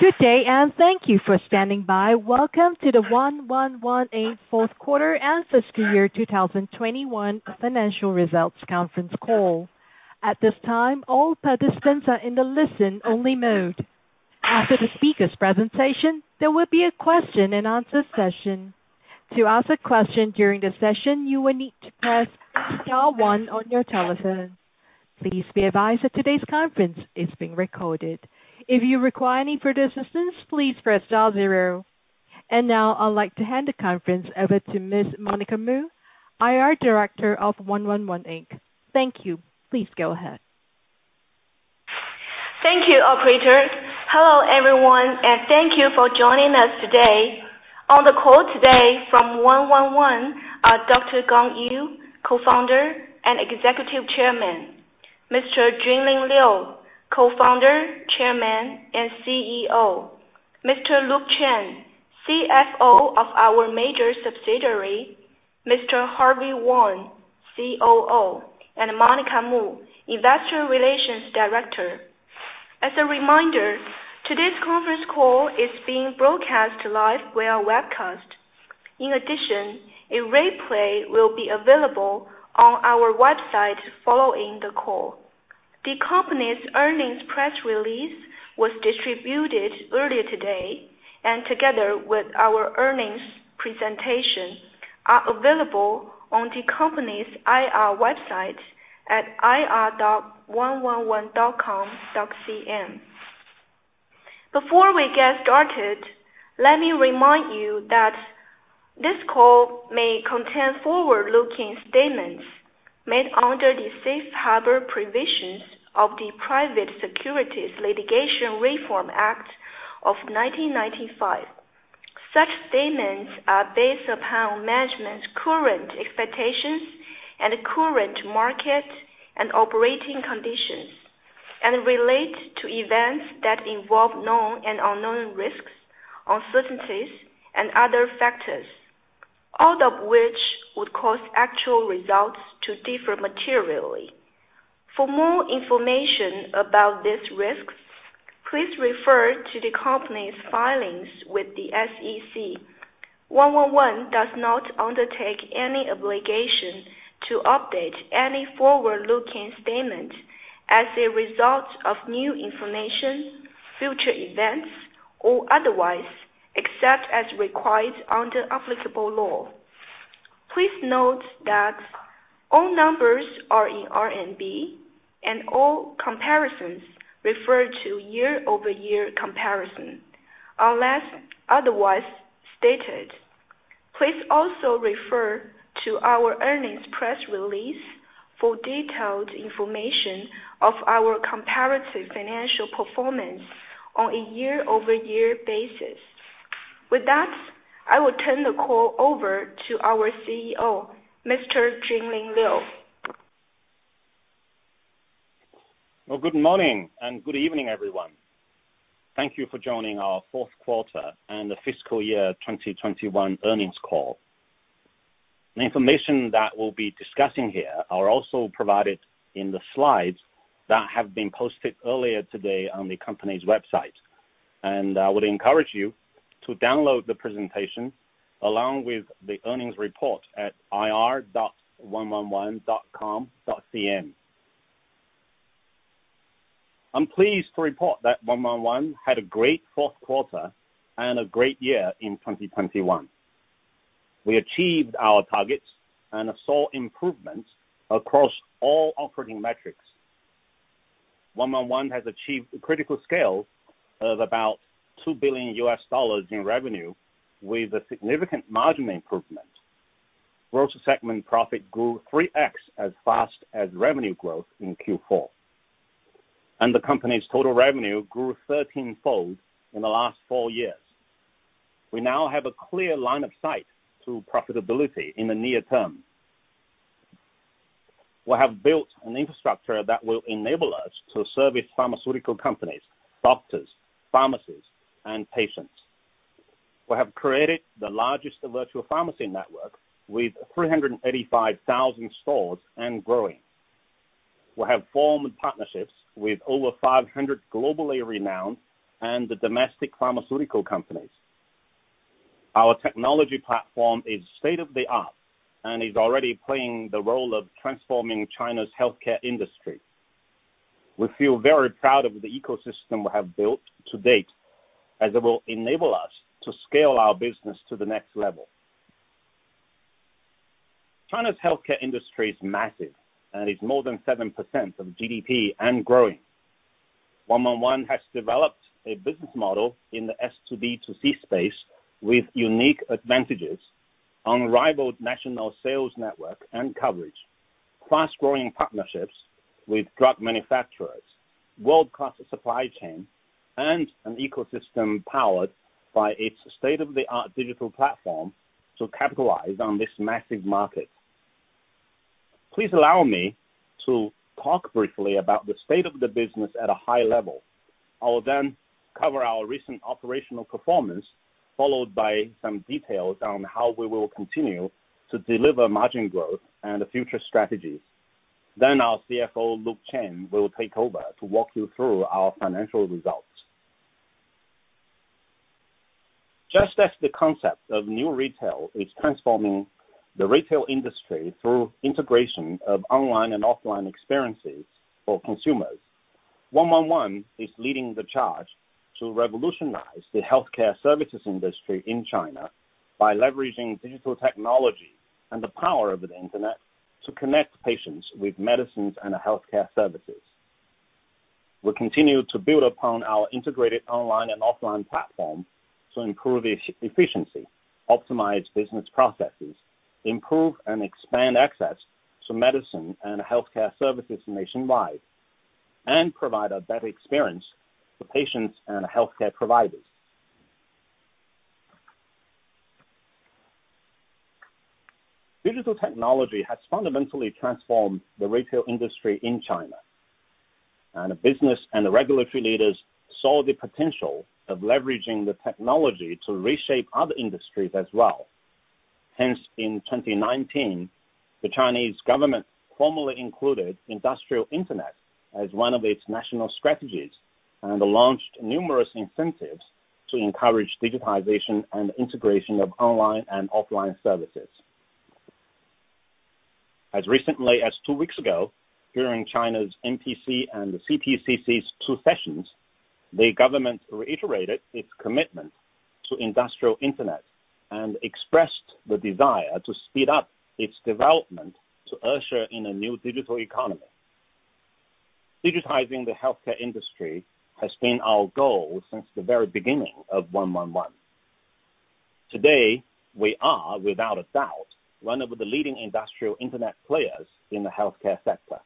Good day, thank you for standing by. Welcome to the 111, Inc. fourth quarter and fiscal year 2021 financial results conference call. At this time, all participants are in the listen-only mode. After the speakers' presentation, there will be a question-and-answer session. To ask a question during the session, you will need to press star one on your telephone. Please be advised that today's conference is being recorded. If you require any further assistance, please press star zero. Now I'd like to hand the conference over to Ms. Monica Mu, IR Director of 111, Inc. Thank you. Please go ahead. Thank you, operator. Hello, everyone, and thank you for joining us today. On the call today from 111 are Dr. Gang Yu, Co-founder and Executive Chairman. Mr. Junling Liu, Co-founder, Chairman, and CEO. Mr. Luke Chen, CFO of our major subsidiary. Mr. Harvey Wang, COO. Monica Mu, Investor Relations Director. As a reminder, today's conference call is being broadcast live via webcast. In addition, a replay will be available on our website following the call. The company's earnings press release was distributed earlier today, and together with our earnings presentation, are available on the company's IR website at ir.111.com.cn. Before we get started, let me remind you that this call may contain forward-looking statements made under the Safe Harbor Provisions of the Private Securities Litigation Reform Act of 1995. Such statements are based upon management's current expectations and current market and operating conditions, and relate to events that involve known and unknown risks, uncertainties and other factors, all of which would cause actual results to differ materially. For more information about these risks, please refer to the company's filings with the SEC. 111 does not undertake any obligation to update any forward-looking statement as a result of new information, future events, or otherwise, except as required under applicable law. Please note that all numbers are in RMB and all comparisons refer to year-over-year comparison, unless otherwise stated. Please also refer to our earnings press release for detailed information of our comparative financial performance on a year-over-year basis. With that, I will turn the call over to our CEO, Mr. Junling Liu. Well, good morning and good evening, everyone. Thank you for joining our fourth quarter and the fiscal year 2021 earnings call. The information that we'll be discussing here are also provided in the slides that have been posted earlier today on the company's website. I would encourage you to download the presentation along with the earnings report at ir.111.com.cn. I'm pleased to report that 111 had a great fourth quarter and a great year in 2021. We achieved our targets and saw improvements across all operating metrics. 111 has achieved critical scale of about $2 billion in revenue with a significant margin improvement. Growth segment profit grew 3x as fast as revenue growth in Q4. The company's total revenue grew 13-fold in the last four years. We now have a clear line of sight to profitability in the near term. We have built an infrastructure that will enable us to service pharmaceutical companies, doctors, pharmacies and patients. We have created the largest virtual pharmacy network with 385,000 stores and growing. We have formed partnerships with over 500 globally renowned and the domestic pharmaceutical companies. Our technology platform is state-of-the-art and is already playing the role of transforming China's healthcare industry. We feel very proud of the ecosystem we have built to date, as it will enable us to scale our business to the next level. China's healthcare industry is massive, and is more than 7% of GDP and growing. 111, Inc. has developed a business model in the S2B2C space with unique advantages, unrivaled national sales network and coverage, fast-growing partnerships with drug manufacturers, world-class supply chain, and an ecosystem powered by its state-of-the-art digital platform to capitalize on this massive market. Please allow me to talk briefly about the state of the business at a high level. I will then cover our recent operational performance, followed by some details on how we will continue to deliver margin growth and the future strategies. Our CFO, Luke Chen, will take over to walk you through our financial results. Just as the concept of new retail is transforming the retail industry through integration of online and offline experiences for consumers, 111 is leading the charge to revolutionize the healthcare services industry in China by leveraging digital technology and the power of the Internet to connect patients with medicines and healthcare services. We continue to build upon our integrated online and offline platform to improve efficiency, optimize business processes, improve and expand access to medicine and healthcare services nationwide, and provide a better experience for patients and healthcare providers. Digital technology has fundamentally transformed the retail industry in China, and business and regulatory leaders saw the potential of leveraging the technology to reshape other industries as well. Hence, in 2019, the Chinese government formally included industrial Internet as one of its national strategies and launched numerous incentives to encourage digitization and integration of online and offline services. As recently as two weeks ago, during China's NPC and the CPPCC's two sessions, the government reiterated its commitment to industrial Internet and expressed the desire to speed up its development to usher in a new digital economy. Digitizing the healthcare industry has been our goal since the very beginning of 111. Today, we are, without a doubt, one of the leading industrial Internet players in the healthcare sector.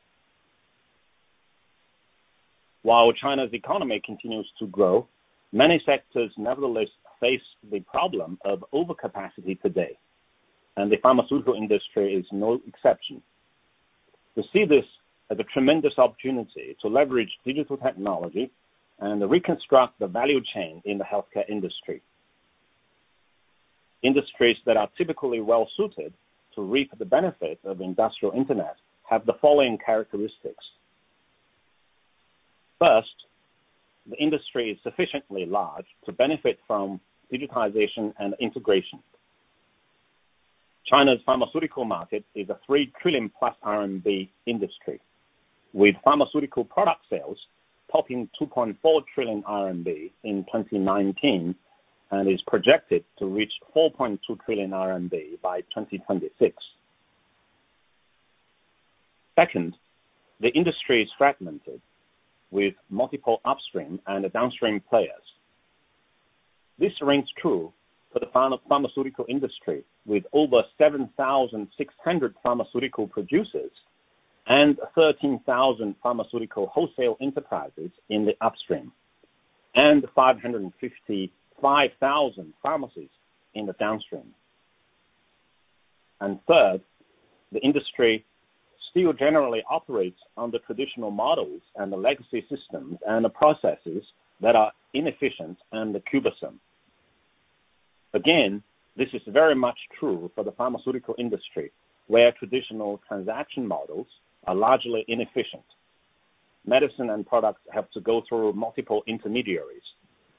While China's economy continues to grow, many sectors nevertheless face the problem of overcapacity today, and the pharmaceutical industry is no exception. We see this as a tremendous opportunity to leverage digital technology and reconstruct the value chain in the healthcare industry. Industries that are typically well-suited to reap the benefits of industrial Internet have the following characteristics. First, the industry is sufficiently large to benefit from digitization and integration. China's pharmaceutical market is a 3 trillion RMB+ industry, with pharmaceutical product sales topping 2.4 trillion RMB in 2019, and is projected to reach 4.2 trillion RMB by 2026. Second, the industry is fragmented, with multiple upstream and downstream players. This rings true for the pharmaceutical industry, with over 7,600 pharmaceutical producers and 13,000 pharmaceutical wholesale enterprises in the upstream, and 555,000 pharmacies in the downstream. Third, the industry still generally operates on the traditional models and the legacy systems and the processes that are inefficient and cumbersome. Again, this is very much true for the pharmaceutical industry, where traditional transaction models are largely inefficient. Medicine and products have to go through multiple intermediaries,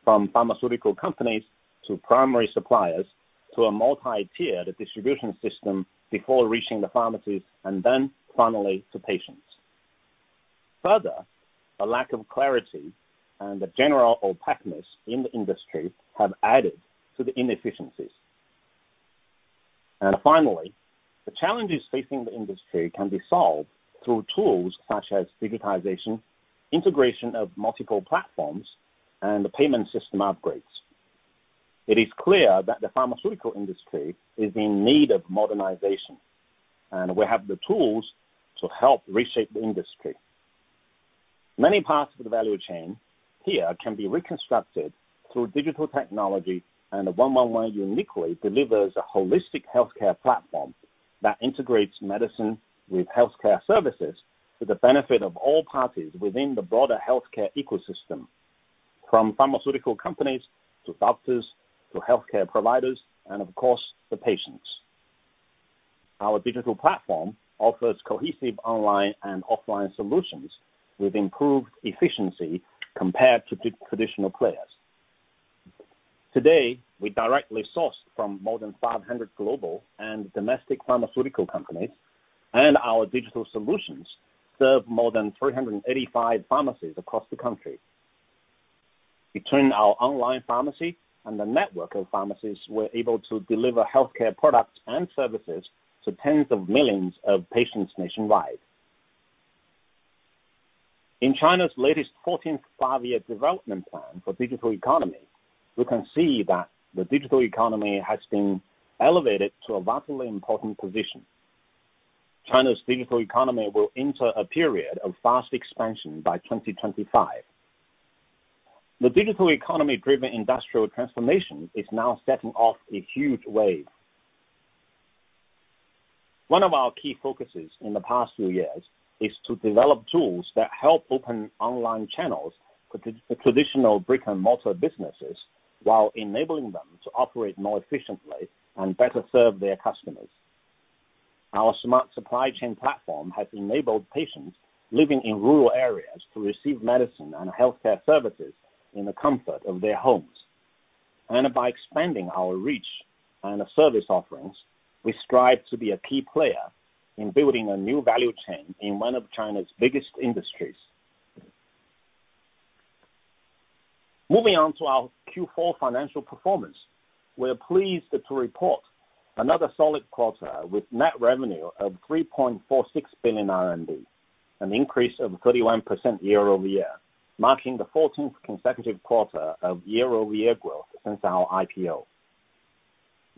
from pharmaceutical companies to primary suppliers to a multi-tiered distribution system before reaching the pharmacies, and then finally to patients. Further, a lack of clarity and the general opaqueness in the industry have added to the inefficiencies. Finally, the challenges facing the industry can be solved through tools such as digitization, integration of multiple platforms, and the payment system upgrades. It is clear that the pharmaceutical industry is in need of modernization, and we have the tools to help reshape the industry. Many parts of the value chain here can be reconstructed through digital technology, and 111 uniquely delivers a holistic healthcare platform that integrates medicine with healthcare services to the benefit of all parties within the broader healthcare ecosystem, from pharmaceutical companies to doctors to healthcare providers, and of course, the patients. Our digital platform offers cohesive online and offline solutions with improved efficiency compared to traditional players. Today, we directly source from more than 500 global and domestic pharmaceutical companies, and our digital solutions serve more than 385 pharmacies across the country. Between our online pharmacy and the network of pharmacies, we're able to deliver healthcare products and services to tens of millions of patients nationwide. In China's latest Fourteenth Five-Year Plan for the digital economy, we can see that the digital economy has been elevated to a vastly important position. China's digital economy will enter a period of fast expansion by 2025. The digital economy-driven industrial transformation is now setting off a huge wave. One of our key focuses in the past few years is to develop tools that help open online channels for the traditional brick-and-mortar businesses while enabling them to operate more efficiently and better serve their customers. Our smart supply chain platform has enabled patients living in rural areas to receive medicine and healthcare services in the comfort of their homes. By expanding our reach and service offerings, we strive to be a key player in building a new value chain in one of China's biggest industries. Moving on to our Q4 financial performance. We're pleased to report another solid quarter with net revenue of 3.46 billion RMB, an increase of 31% year-over-year, marking the 14th consecutive quarter of year-over-year growth since our IPO.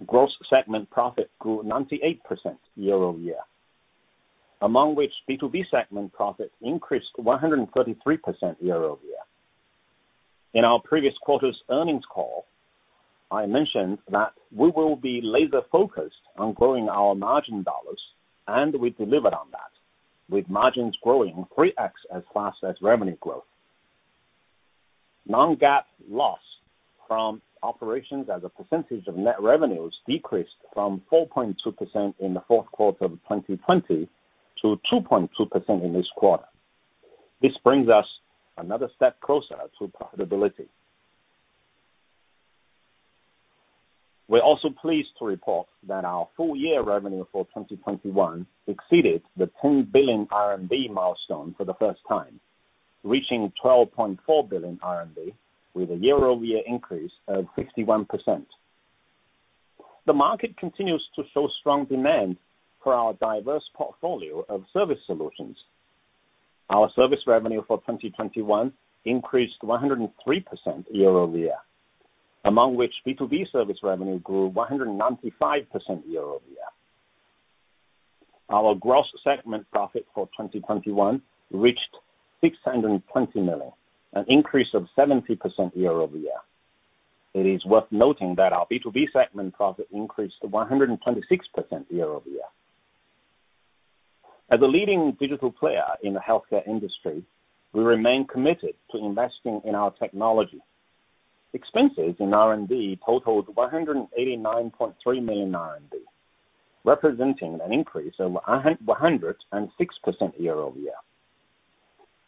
Gross segment profit grew 98% year-over-year, among which B2B segment profit increased 133% year-over-year. In our previous quarter's earnings call, I mentioned that we will be laser focused on growing our margin dollars, and we delivered on that with margins growing 3x as fast as revenue growth. Non-GAAP loss from operations as a percentage of net revenues decreased from 4.2% in the fourth quarter of 2020 to 2.2% in this quarter. This brings us another step closer to profitability. We're also pleased to report that our full year revenue for 2021 exceeded the 10 billion RMB milestone for the first time, reaching 12.4 billion RMB with a year-over-year increase of 61%. The market continues to show strong demand for our diverse portfolio of service solutions. Our service revenue for 2021 increased 103% year-over-year, among which B2B service revenue grew 195% year-over-year. Our gross segment profit for 2021 reached 620 million, an increase of 70% year-over-year. It is worth noting that our B2B segment profit increased to 126% year-over-year. As a leading digital player in the healthcare industry, we remain committed to investing in our technology. Expenses in RMB totaled 189.3 million, representing an increase over 106% year-over-year.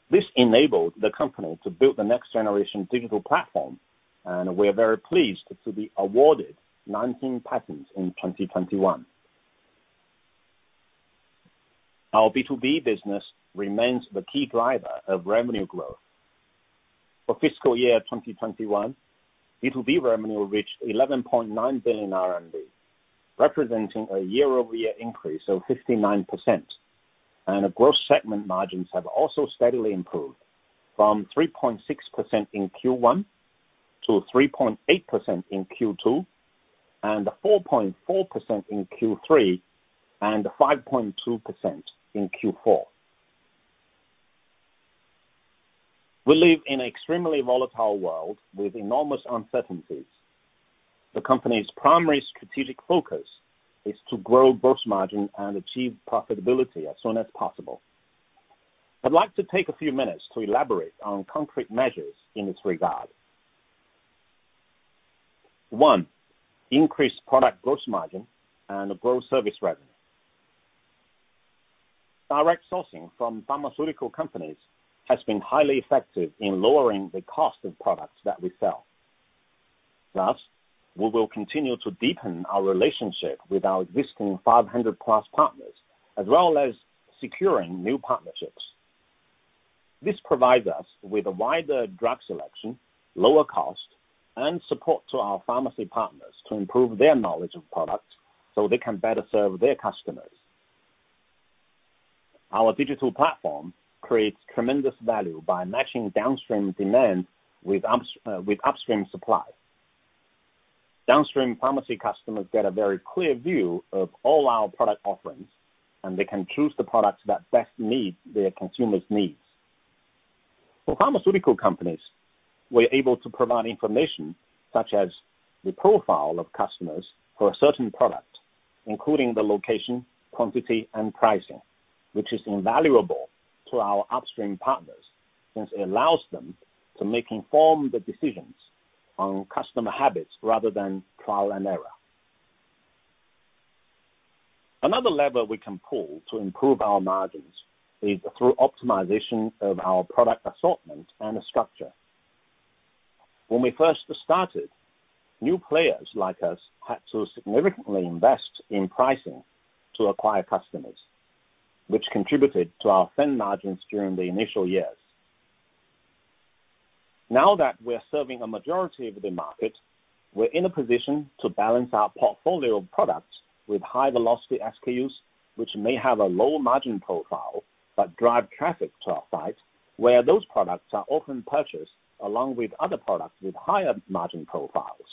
This enabled the company to build the next generation digital platform, and we are very pleased to be awarded 19 patents in 2021. Our B2B business remains the key driver of revenue growth. For fiscal year 2021, B2B revenue reached 11.9 billion RMB, representing a year-over-year increase of 59%. Gross segment margins have also steadily improved from 3.6% in Q1 to 3.8% in Q2, and 4.4% in Q3, and 5.2% in Q4. We live in an extremely volatile world with enormous uncertainties. The company's primary strategic focus is to grow gross margin and achieve profitability as soon as possible. I'd like to take a few minutes to elaborate on concrete measures in this regard. One, increase product gross margin and grow service revenue. Direct sourcing from pharmaceutical companies has been highly effective in lowering the cost of products that we sell. Thus, we will continue to deepen our relationship with our existing 500+ partners, as well as securing new partnerships. This provides us with a wider drug selection, lower cost, and support to our pharmacy partners to improve their knowledge of products so they can better serve their customers. Our digital platform creates tremendous value by matching downstream demand with upstream supply. Downstream pharmacy customers get a very clear view of all our product offerings, and they can choose the products that best meet their consumers' needs. For pharmaceutical companies, we're able to provide information such as the profile of customers for a certain product, including the location, quantity, and pricing, which is invaluable to our upstream partners since it allows them to make informed decisions on customer habits rather than trial and error. Another lever we can pull to improve our margins is through optimization of our product assortment and structure. When we first started, new players like us had to significantly invest in pricing to acquire customers, which contributed to our thin margins during the initial years. Now that we're serving a majority of the market, we're in a position to balance our portfolio of products with high velocity SKUs, which may have a low margin profile but drive traffic to our site, where those products are often purchased along with other products with higher margin profiles.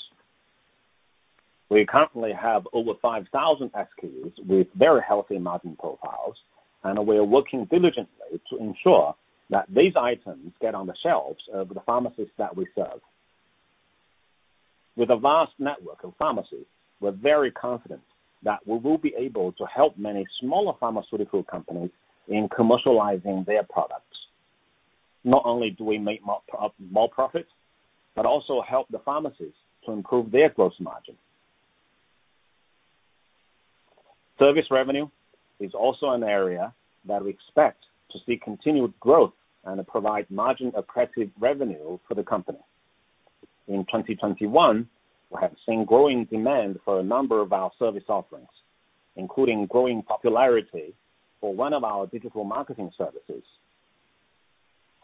We currently have over 5,000 SKUs with very healthy margin profiles, and we are working diligently to ensure that these items get on the shelves of the pharmacists that we serve. With a vast network of pharmacies, we're very confident that we will be able to help many smaller pharmaceutical companies in commercializing their products. Not only do we make more profits, but also help the pharmacies to improve their gross margin. Service revenue is also an area that we expect to see continued growth and provide margin-aggressive revenue for the company. In 2021, we have seen growing demand for a number of our service offerings, including growing popularity for one of our digital marketing services.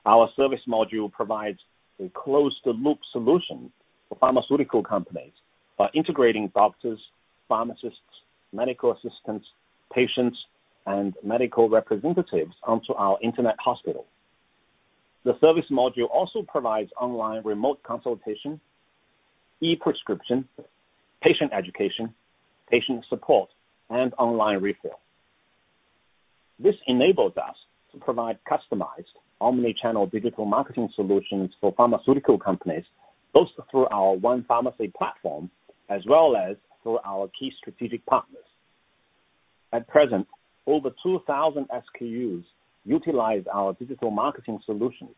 Our service module provides a closed-loop solution for pharmaceutical companies by integrating doctors, pharmacists, medical assistants, patients, and medical representatives onto our internet hospital. The service module also provides online remote consultation, e-prescription, patient education, patient support, and online refill. This enables us to provide customized omni-channel digital marketing solutions for pharmaceutical companies, both through our One Pharmacy platform as well as through our key strategic partners. At present, over 2,000 SKUs utilize our digital marketing solutions,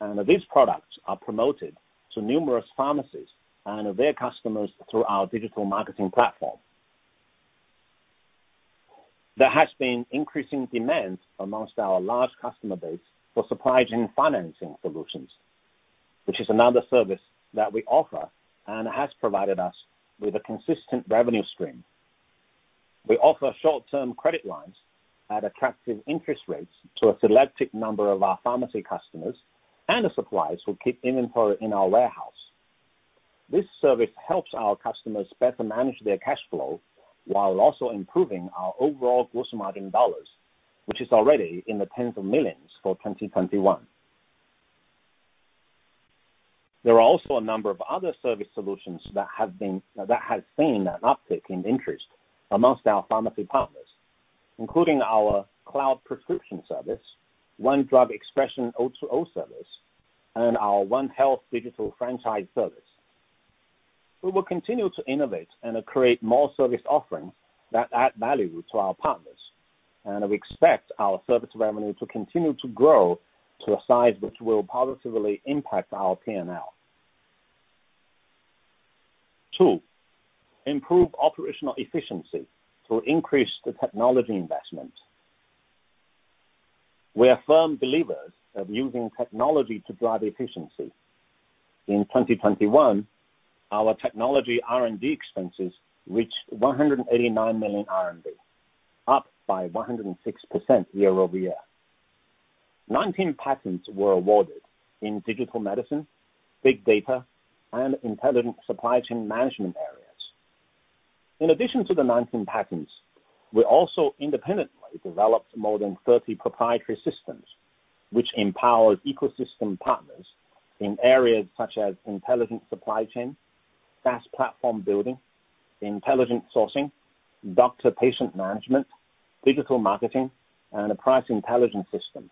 and these products are promoted to numerous pharmacies and their customers through our digital marketing platform. There has been increasing demand amongst our large customer base for supply chain financing solutions, which is another service that we offer and has provided us with a consistent revenue stream. We offer short-term credit lines at attractive interest rates to a selected number of our pharmacy customers and suppliers who keep inventory in our warehouse. This service helps our customers better manage their cash flow while also improving our overall gross margin dollars, which is already in the tens of millions for 2021. There are also a number of other service solutions that have seen an uptick in interest amongst our pharmacy partners, including our Cloud Prescription Service, OneDrug Express O2O service, and our One Health digital franchise service. We will continue to innovate and create more service offerings that add value to our partners, and we expect our service revenue to continue to grow to a size which will positively impact our P&L. Two, improve operational efficiency to increase the technology investment. We are firm believers of using technology to drive efficiency. In 2021, our technology R&D expenses reached 189 million RMB, up by 106% year-over-year. 19 patents were awarded in digital medicine, big data, and intelligent supply chain management areas. In addition to the 19 patents, we also independently developed more than 30 proprietary systems, which empowers ecosystem partners in areas such as intelligent supply chain, SaaS platform building, intelligent sourcing, doctor-patient management, digital marketing, and a price intelligence system.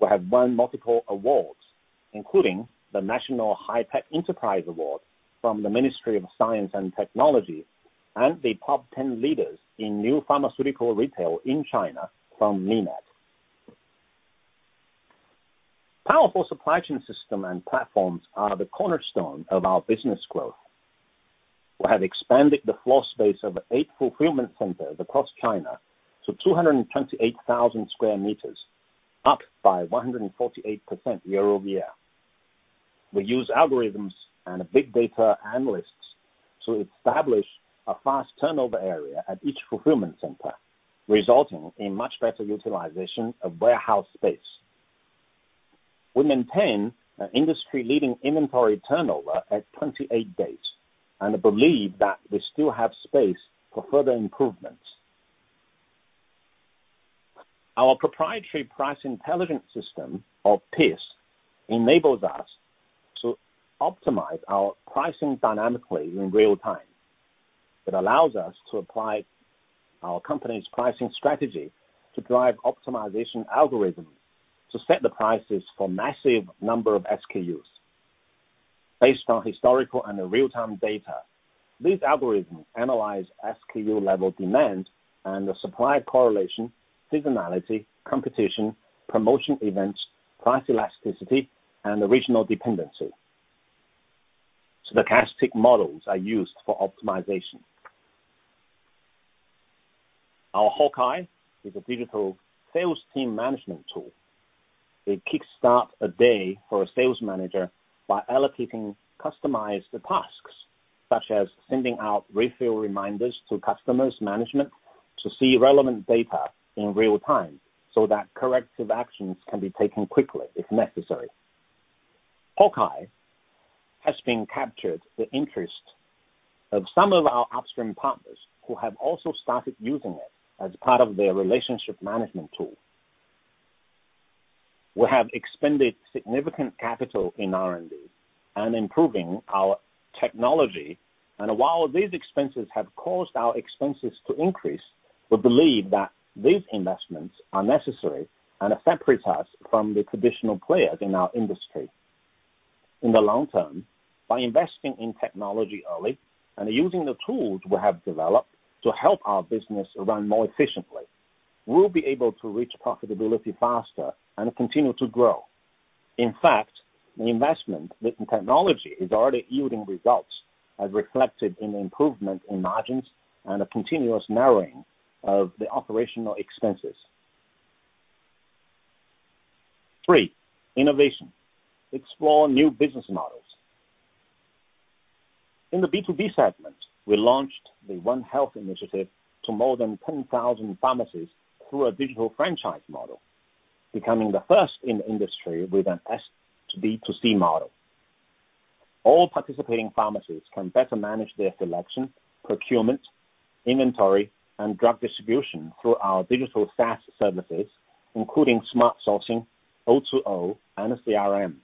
We have won multiple awards, including the National High-Tech Enterprise Award from the Ministry of Science and Technology and the top 10 leaders in new pharmaceutical retail in China from MIMAIT. Powerful supply chain system and platforms are the cornerstone of our business growth. We have expanded the floor space of eight fulfillment centers across China to 228,000 sq m, up by 148% year-over-year. We use algorithms and big data analysts to establish a fast turnover area at each fulfillment center, resulting in much better utilization of warehouse space. We maintain an industry-leading inventory turnover at 28 days, and believe that we still have space for further improvements. Our proprietary price intelligence system, PIS enables us to optimize our pricing dynamically in real time. It allows us to apply our company's pricing strategy to drive optimization algorithms to set the prices for massive number of SKUs. Based on historical and real-time data, these algorithms analyze SKU level demand and the supply correlation, seasonality, competition, promotion events, price elasticity, and regional dependency. Stochastic models are used for optimization. Our Hawkeye is a digital sales team management tool. It kickstarts a day for a sales manager by allocating customized tasks, such as sending out refill reminders to customers, management to see relevant data in real time so that corrective actions can be taken quickly if necessary. Hawkeye has captured the interest of some of our upstream partners who have also started using it as part of their relationship management tool. We have expended significant capital in R&D and improving our technology. While these expenses have caused our expenses to increase, we believe that these investments are necessary and separates us from the traditional players in our industry. In the long term, by investing in technology early and using the tools we have developed to help our business run more efficiently, we'll be able to reach profitability faster and continue to grow. In fact, the investment made in technology is already yielding results, as reflected in the improvement in margins and a continuous narrowing of the operational expenses. Three, innovation. Explore new business models. In the B2B segment, we launched the One Health initiative to more than 10,000 pharmacies through a digital franchise model, becoming the first in the industry with an S2B2C model. All participating pharmacies can better manage their selection, procurement, inventory, and drug distribution through our digital SaaS services, including smart sourcing, O2O, and a CRM.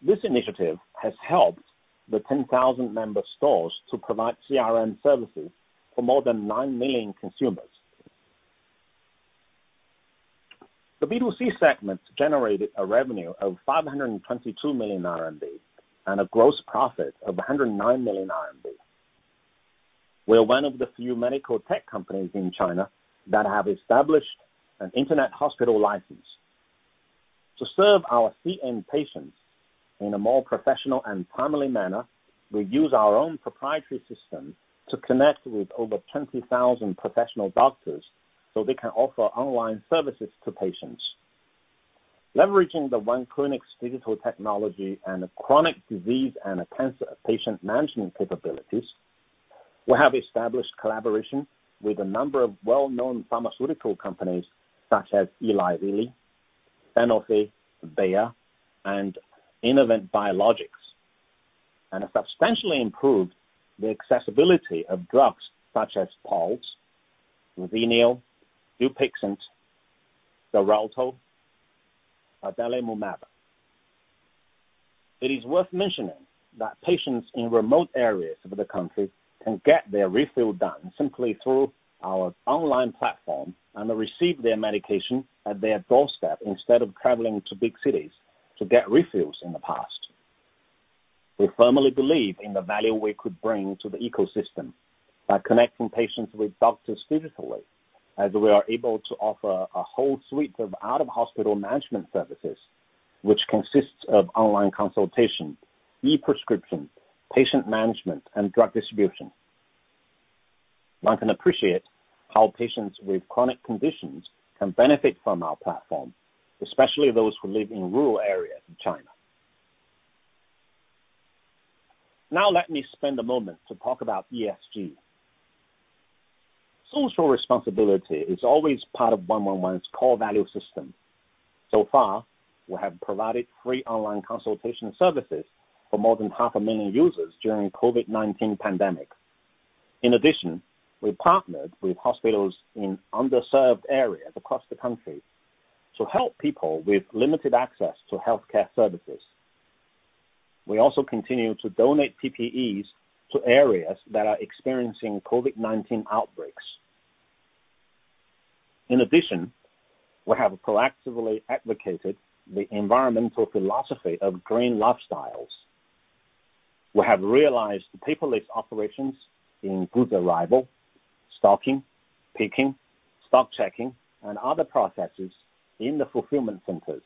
This initiative has helped the 10,000 member stores to provide CRM services for more than 9 million consumers. The B2C segment generated a revenue of 522 million RMB and a gross profit of 109 million RMB. We are one of the few medical tech companies in China that have established an internet hospital license. To serve our CM patients in a more professional and timely manner, we use our own proprietary system to connect with over 20,000 professional doctors, so they can offer online services to patients. Leveraging the One Clinic's digital technology and a chronic disease and a cancer patient management capabilities, we have established collaboration with a number of well-known pharmaceutical companies such as Eli Lilly, Sanofi, Bayer, and Innovent Biologics, and have substantially improved the accessibility of drugs such as Taltz, RINVOQ, DUPIXENT, XELJANZ, Adalimumab. It is worth mentioning that patients in remote areas of the country can get their refill done simply through our online platform and receive their medication at their doorstep instead of traveling to big cities to get refills in the past. We firmly believe in the value we could bring to the ecosystem by connecting patients with doctors digitally, as we are able to offer a whole suite of out-of-hospital management services, which consists of online consultation, e-prescription, patient management, and drug distribution. One can appreciate how patients with chronic conditions can benefit from our platform, especially those who live in rural areas in China. Now let me spend a moment to talk about ESG. Social responsibility is always part of 111's core value system. So far, we have provided free online consultation services for more than 500,000 users during COVID-19 pandemic. In addition, we partnered with hospitals in underserved areas across the country to help people with limited access to healthcare services. We also continue to donate PPEs to areas that are experiencing COVID-19 outbreaks. In addition, we have proactively advocated the environmental philosophy of green lifestyles. We have realized paperless operations in goods arrival, stocking, picking, stock checking, and other processes in the fulfillment centers.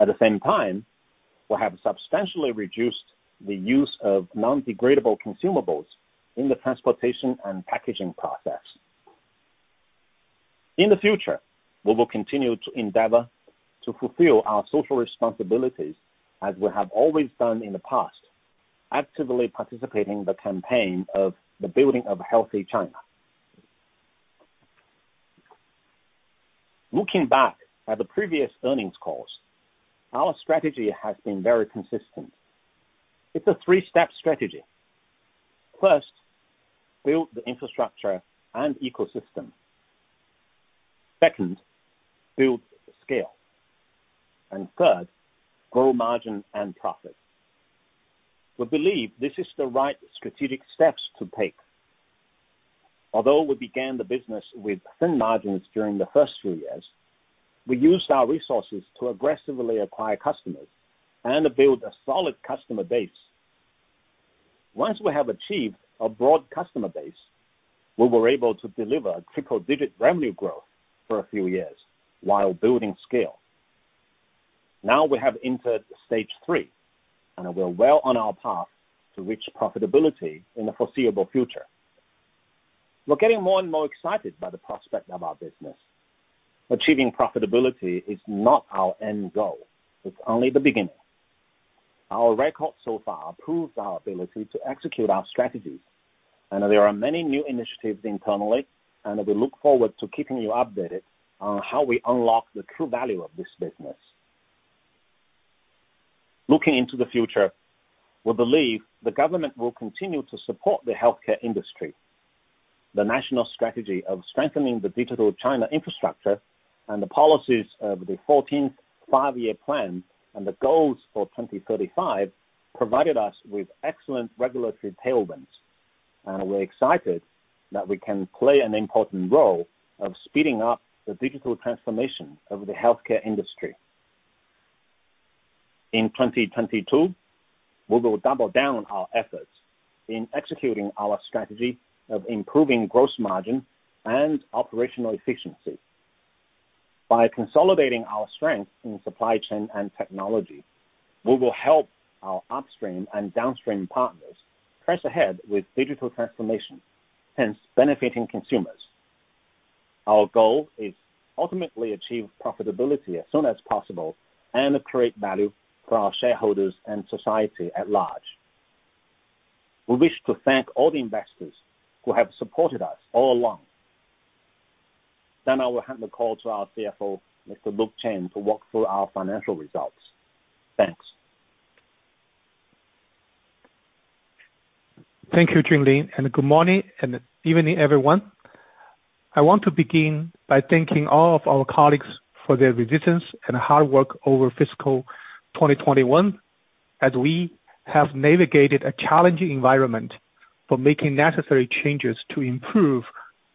At the same time, we have substantially reduced the use of non-degradable consumables in the transportation and packaging process. In the future, we will continue to endeavor to fulfill our social responsibilities as we have always done in the past, actively participating in the campaign of the building of Healthy China. Looking back at the previous earnings calls, our strategy has been very consistent. It's a three-step strategy. First, build the infrastructure and ecosystem. Second, build scale. Third, grow margin and profit. We believe this is the right strategic steps to take. Although we began the business with thin margins during the first few years, we used our resources to aggressively acquire customers and build a solid customer base. Once we have achieved a broad customer base, we were able to deliver triple-digit revenue growth for a few years while building scale. Now we have entered stage three, and we're well on our path to reach profitability in the foreseeable future. We're getting more and more excited by the prospect of our business. Achieving profitability is not our end goal. It's only the beginning. Our record so far proves our ability to execute our strategies, and there are many new initiatives internally, and we look forward to keeping you updated on how we unlock the true value of this business. Looking into the future, we believe the government will continue to support the healthcare industry. The national strategy of strengthening the Digital China infrastructure and the policies of the Fourteenth Five-Year Plan and the goals for 2035 provided us with excellent regulatory tailwinds. We're excited that we can play an important role of speeding up the digital transformation of the healthcare industry. In 2022, we will double down our efforts in executing our strategy of improving gross margin and operational efficiency. By consolidating our strength in supply chain and technology, we will help our upstream and downstream partners press ahead with digital transformation, hence benefiting consumers. Our goal is to ultimately achieve profitability as soon as possible and create value for our shareholders and society at large. We wish to thank all the investors who have supported us all along. I will hand the call to our CFO, Mr. Luke Chen, to walk through our financial results. Thanks. Thank you, Junling, and good morning and evening, everyone. I want to begin by thanking all of our colleagues for their resilience and hard work over fiscal 2021, as we have navigated a challenging environment for making necessary changes to improve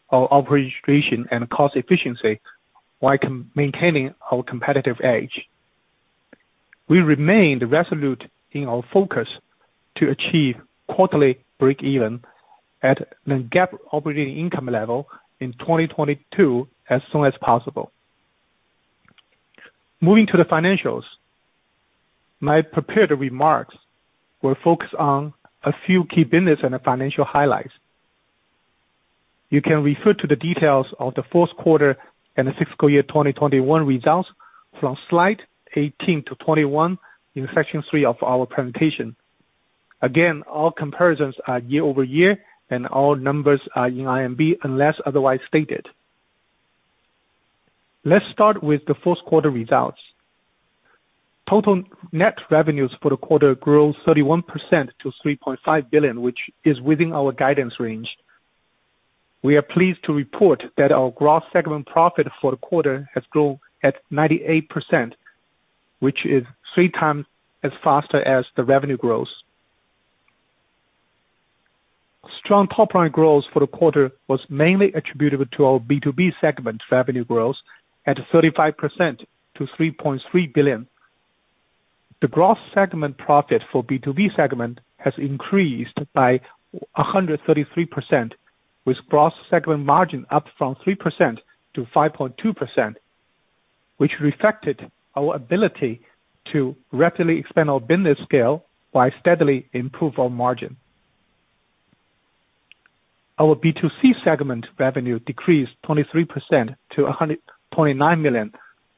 our operations and cost efficiency while maintaining our competitive edge. We remain resolute in our focus to achieve quarterly breakeven at non-GAAP operating income level in 2022 as soon as possible. Moving to the financials. My prepared remarks will focus on a few key business and financial highlights. You can refer to the details of the fourth quarter and the fiscal year 2021 results from slide 18-21 in section three of our presentation. Again, all comparisons are year-over-year, and all numbers are in RMB unless otherwise stated. Let's start with the fourth quarter results. Total net revenues for the quarter grew 31% to 3.5 billion, which is within our guidance range. We are pleased to report that our gross segment profit for the quarter has grown at 98%, which is three times as faster as the revenue grows. Strong top line growth for the quarter was mainly attributable to our B2B segment revenue growth at 35% to 3.3 billion. The gross segment profit for B2B segment has increased by 133%, with gross segment margin up from 3% to 5.2%, which reflected our ability to rapidly expand our business scale while steadily improve our margin. Our B2C segment revenue decreased 23% to 109 million,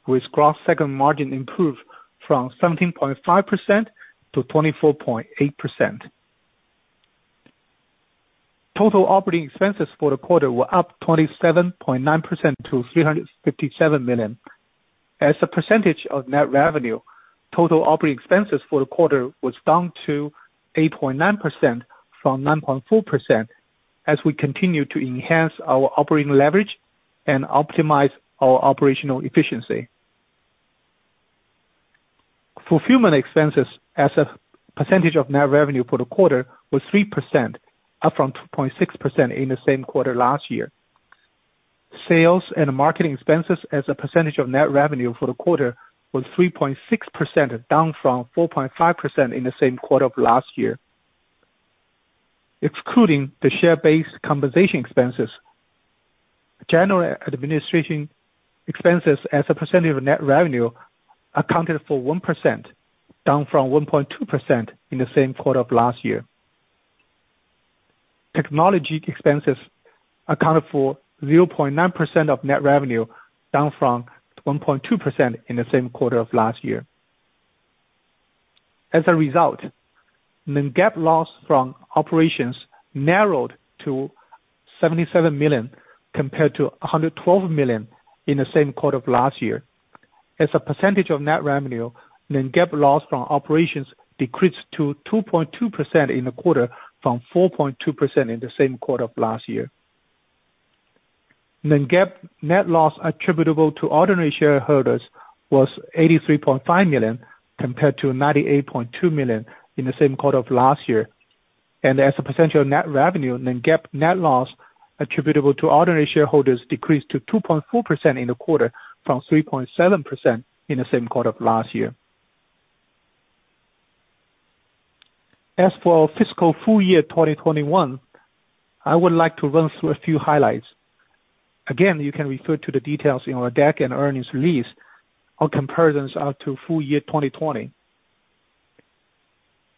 with gross segment margin improved from 17.5% to 24.8%. Total operating expenses for the quarter were up 27.9% to 357 million. As a percentage of net revenue, total operating expenses for the quarter was down to 8.9% from 9.4% as we continue to enhance our operating leverage and optimize our operational efficiency. Fulfillment expenses as a percentage of net revenue for the quarter was 3%, up from 2.6% in the same quarter last year. Sales and marketing expenses as a percentage of net revenue for the quarter was 3.6%, down from 4.5% in the same quarter of last year. Excluding the share-based compensation expenses, general administration expenses as a percentage of net revenue accounted for 1%, down from 1.2% in the same quarter of last year. Technology expenses accounted for 0.9% of net revenue, down from 1.2% in the same quarter of last year. As a result, net GAAP loss from operations narrowed to 77 million, compared to 112 million in the same quarter of last year. As a percentage of net revenue, net GAAP loss from operations decreased to 2.2% in the quarter from 4.2% in the same quarter of last year. Net loss attributable to ordinary shareholders was 83.5 million, compared to 98.2 million in the same quarter of last year. As a percentage of net revenue, net loss attributable to ordinary shareholders decreased to 2.4% in the quarter from 3.7% in the same quarter of last year. As for fiscal full year 2021, I would like to run through a few highlights. Again, you can refer to the details in our deck and earnings release. Our comparisons are to full year 2020.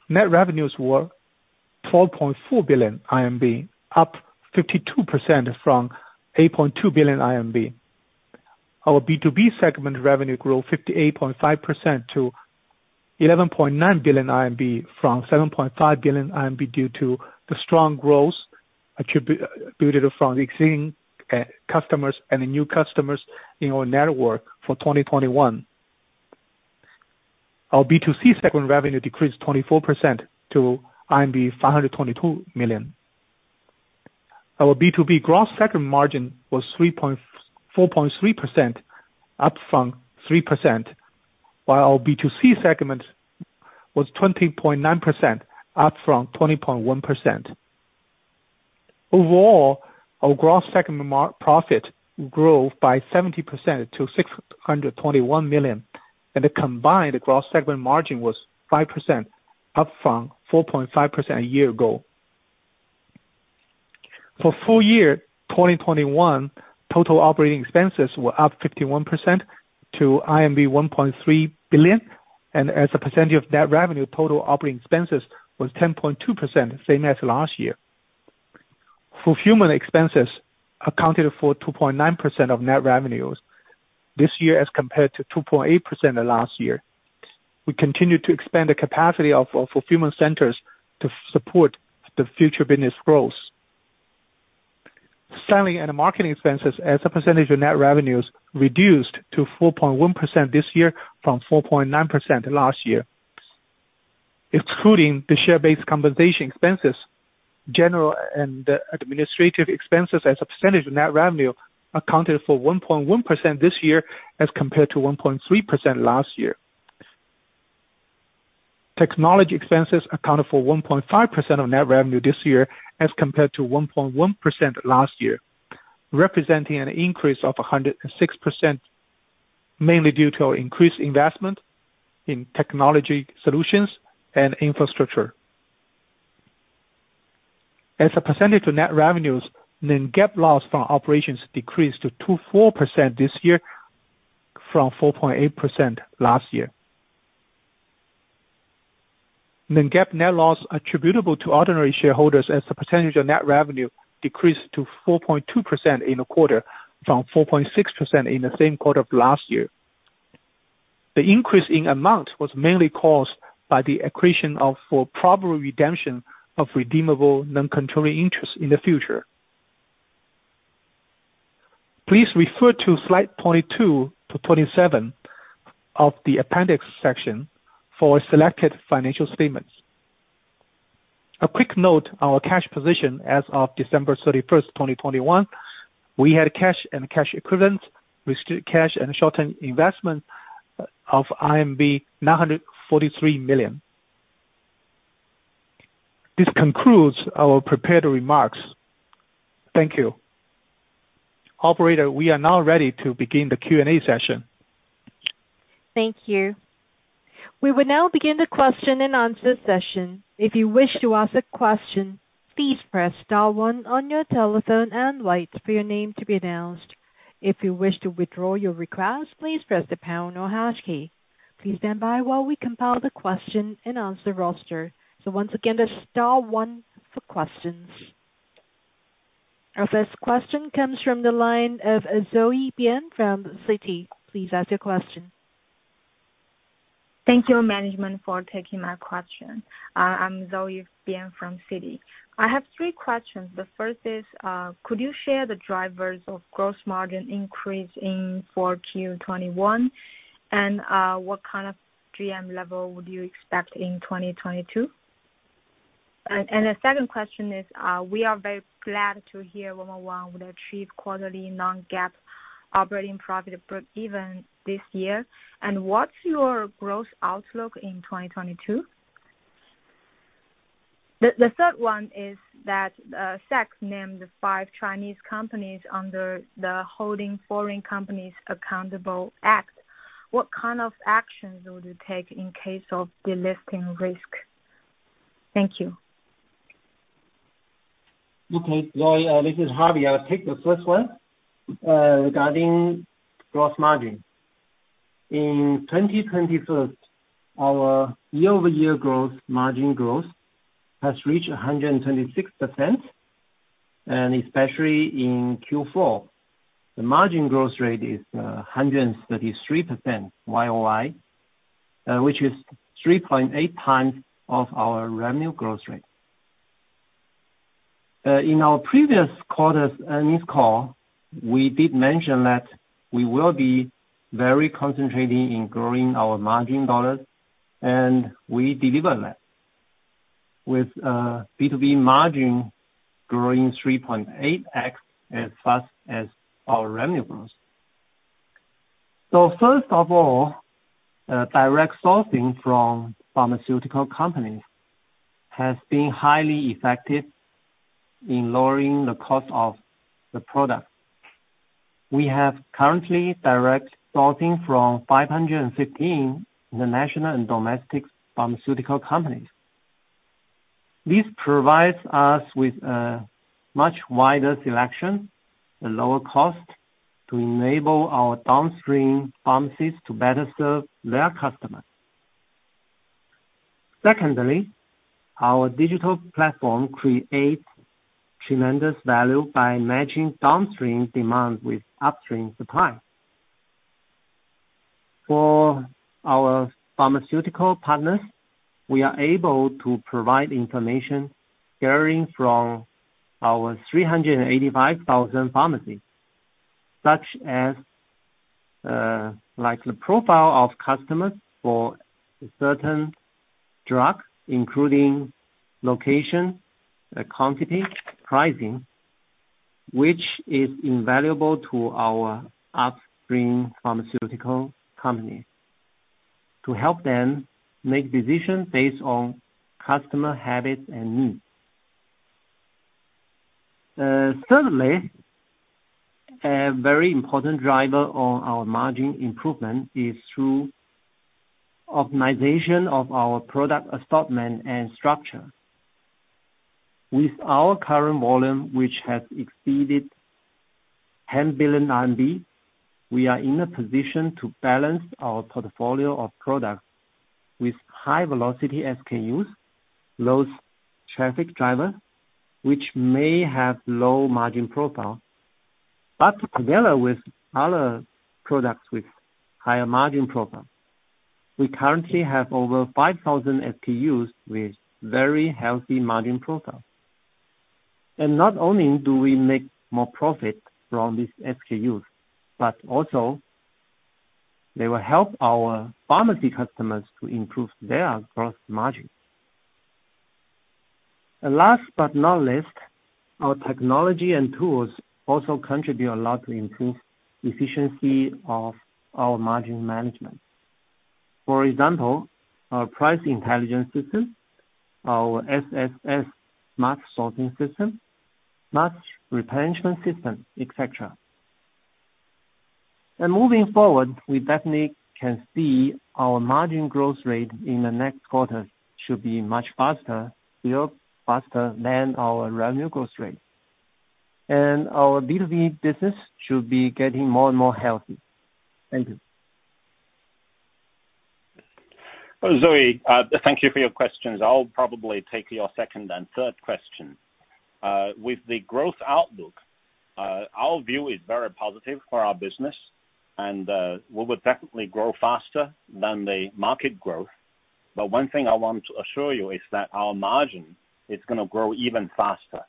Net revenues were 12.4 billion RMB, up 52% from 8.2 billion RMB. Our B2B segment revenue grew 58.5% to 11.9 billion RMB from 7.5 billion RMB due to the strong growth attributed from existing customers and the new customers in our network for 2021. Our B2C segment revenue decreased 24% to RMB 522 million. Our B2B gross segment margin was 4.3%, up from 3%, while our B2C segment was 20.9%, up from 20.1%. Overall, our gross segment profit grew by 70% to 621 million, and the combined gross segment margin was 5%, up from 4.5% a year ago. For full year 2021, total operating expenses were up 51% to 1.3 billion. As a percentage of net revenue, total operating expenses was 10.2%, same as last year. Fulfillment expenses accounted for 2.9% of net revenues this year as compared to 2.8% the last year. We continue to expand the capacity of fulfillment centers to support the future business growth. Selling and marketing expenses as a percentage of net revenues reduced to 4.1% this year from 4.9% last year. Excluding the share-based compensation expenses, general and administrative expenses as a percentage of net revenue accounted for 1.1% this year as compared to 1.3% last year. Technology expenses accounted for 1.5% of net revenue this year as compared to 1.1% last year, representing an increase of 106%, mainly due to our increased investment in technology solutions and infrastructure. As a percentage of net revenues, non-GAAP loss from operations decreased to 2.4% this year from 4.8% last year. Non-GAAP net loss attributable to ordinary shareholders as a percentage of net revenue decreased to 4.2% in the quarter from 4.6% in the same quarter of last year. The increase in amount was mainly caused by the accretion for probable redemption of redeemable non-controlling interest in the future. Please refer to slide 22-27 of the appendix section for selected financial statements. A quick note, our cash position as of December 31st, 2021, we had cash and cash equivalents, restricted cash and short-term investment of 943 million. This concludes our prepared remarks. Thank you. Operator, we are now ready to begin the Q&A session. Thank you. We will now begin the question and answer session. If you wish to ask a question, please press star one on your telephone and wait for your name to be announced. If you wish to withdraw your request, please press the pound or hash key. Please stand by while we compile the question and answer roster. Once again, that's star one for questions. Our first question comes from the line of Zoe Bian from Citi. Please ask your question. Thank you, management, for taking my question. I'm Zoe Bian from Citi. I have three questions. The first is, could you share the drivers of gross margin increase for Q2 2021? And, what kind of GM level would you expect in 2022? And the second question is, we are very glad to hear 111 would achieve quarterly non-GAAP operating profit breakeven this year, and what's your growth outlook in 2022? The third one is that, SEC named the five Chinese companies under the Holding Foreign Companies Accountable Act. What kind of actions would you take in case of delisting risk? Thank you. Zoe, this is Harvey. I'll take the first one, regarding gross margin. In 2021, our year-over-year gross margin growth has reached 126%, and especially in Q4. The margin growth rate is 133% YOY, which is 3.8x our revenue growth rate. In our previous quarter's earnings call, we did mention that we will be very concentrating in growing our margin dollars, and we deliver that with B2B margin growing 3.8x as fast as our revenue grows. First of all, direct sourcing from pharmaceutical companies has been highly effective in lowering the cost of the product. We currently have direct sourcing from 515 international and domestic pharmaceutical companies. This provides us with a much wider selection and lower cost to enable our downstream pharmacies to better serve their customers. Secondly, our digital platform creates tremendous value by matching downstream demand with upstream supply. For our pharmaceutical partners, we are able to provide information varying from our 385,000 pharmacies, such as Like the profile of customers for a certain drug, including location, the quantity, pricing, which is invaluable to our upstream pharmaceutical companies to help them make decisions based on customer habits and needs. Certainly a very important driver on our margin improvement is through optimization of our product assortment and structure. With our current volume, which has exceeded 10 billion RMB, we are in a position to balance our portfolio of products with high velocity SKUs, low traffic driver, which may have low margin profile. But together with other products with higher margin profile, we currently have over 5,000 SKUs with very healthy margin profile. Not only do we make more profit from these SKUs, but also they will help our pharmacy customers to improve their gross margin. Last but not least, our technology and tools also contribute a lot to improve efficiency of our margin management. For example, our price intelligence system, our SSS smart sourcing system, smart replenishment system, et cetera. Moving forward, we definitely can see our margin growth rate in the next quarter should be much faster than our revenue growth rate. Our B2B business should be getting more and more healthy. Thank you. Zoe, thank you for your questions. I'll probably take your second and third question. With the growth outlook, our view is very positive for our business and we would definitely grow faster than the market growth. One thing I want to assure you is that our margin is gonna grow even faster.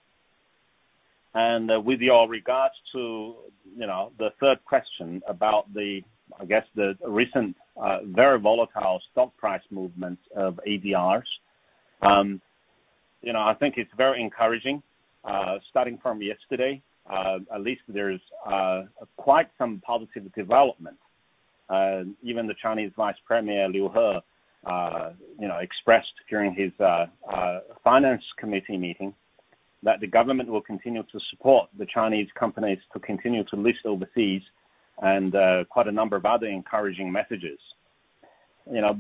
With regard to, you know, the third question about the, I guess, the recent very volatile stock price movement of ADRs, you know, I think it's very encouraging starting from yesterday, at least there's quite some positive development. Even the Chinese Vice Premier Liu He, you know, expressed during his finance committee meeting that the government will continue to support the Chinese companies to continue to list overseas and quite a number of other encouraging messages. You know,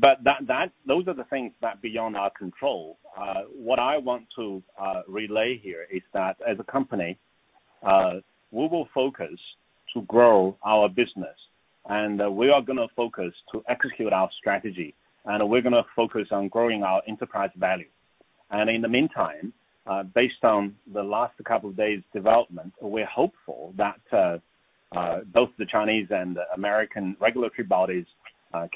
those are the things that are beyond our control. What I want to relay here is that as a company, we will focus on growing our business, and we are gonna focus on executing our strategy. We're gonna focus on growing our enterprise value. In the meantime, based on the last couple of days' developments, we're hopeful that both the Chinese and American regulatory bodies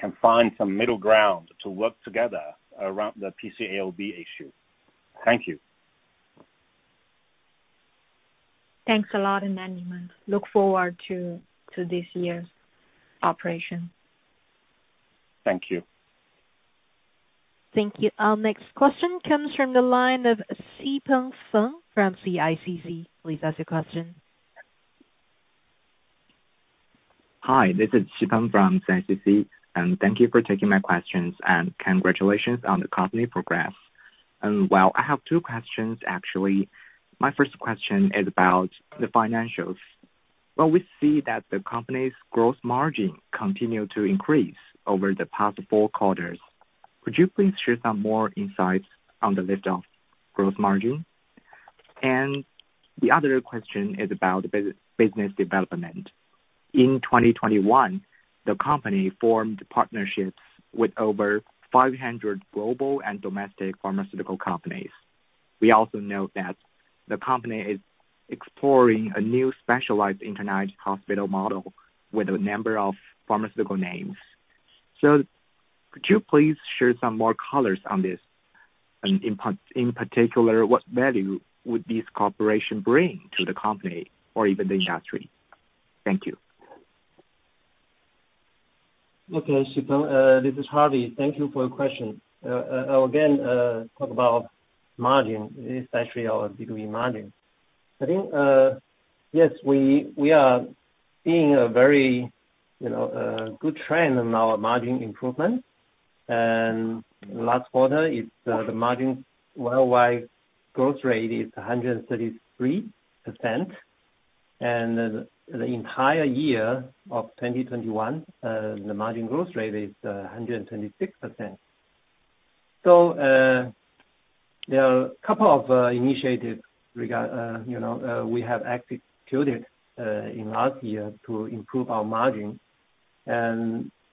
can find some middle ground to work together around the PCAOB issue. Thank you. Thanks a lot, and thank you. I look forward to this year's operation. Thank you. Thank you. Our next question comes from the line of Sibo Feng from CICC. Please ask your question. Hi, this is Sibo from CICC, and thank you for taking my questions, and congratulations on the company progress. Well, I have two questions, actually. My first question is about the financials. While we see that the company's gross margin continue to increase over the past four quarters, would you please share some more insights on the lift of gross margin? The other question is about business development. In 2021, the company formed partnerships with over 500 global and domestic pharmaceutical companies. We also know that the company is exploring a new specialized international hospital model with a number of pharmaceutical names. Could you please share some more colors on this? In particular, what value would this cooperation bring to the company or even the industry? Thank you. Okay, Sibo. This is Harvey. Thank you for your question. I'll again talk about margin, especially our gross margin. I think, yes, we are seeing a very, you know, good trend in our margin improvement. Last quarter, the margin worldwide growth rate is 133%. The entire year of 2021, the margin growth rate is 126%. There are a couple of initiatives regarding, you know, we have executed in last year to improve our margin,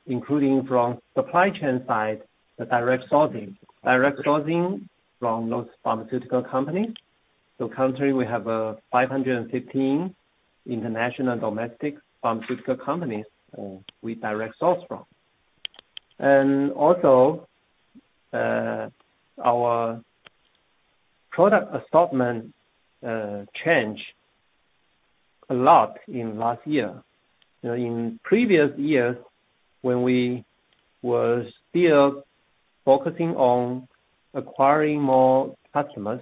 including from supply chain side, the direct sourcing. Direct sourcing from those pharmaceutical companies. Currently we have 515 international and domestic pharmaceutical companies we direct source from. Also, our product assortment changed a lot in last year. You know, in previous years when we were still focusing on acquiring more customers,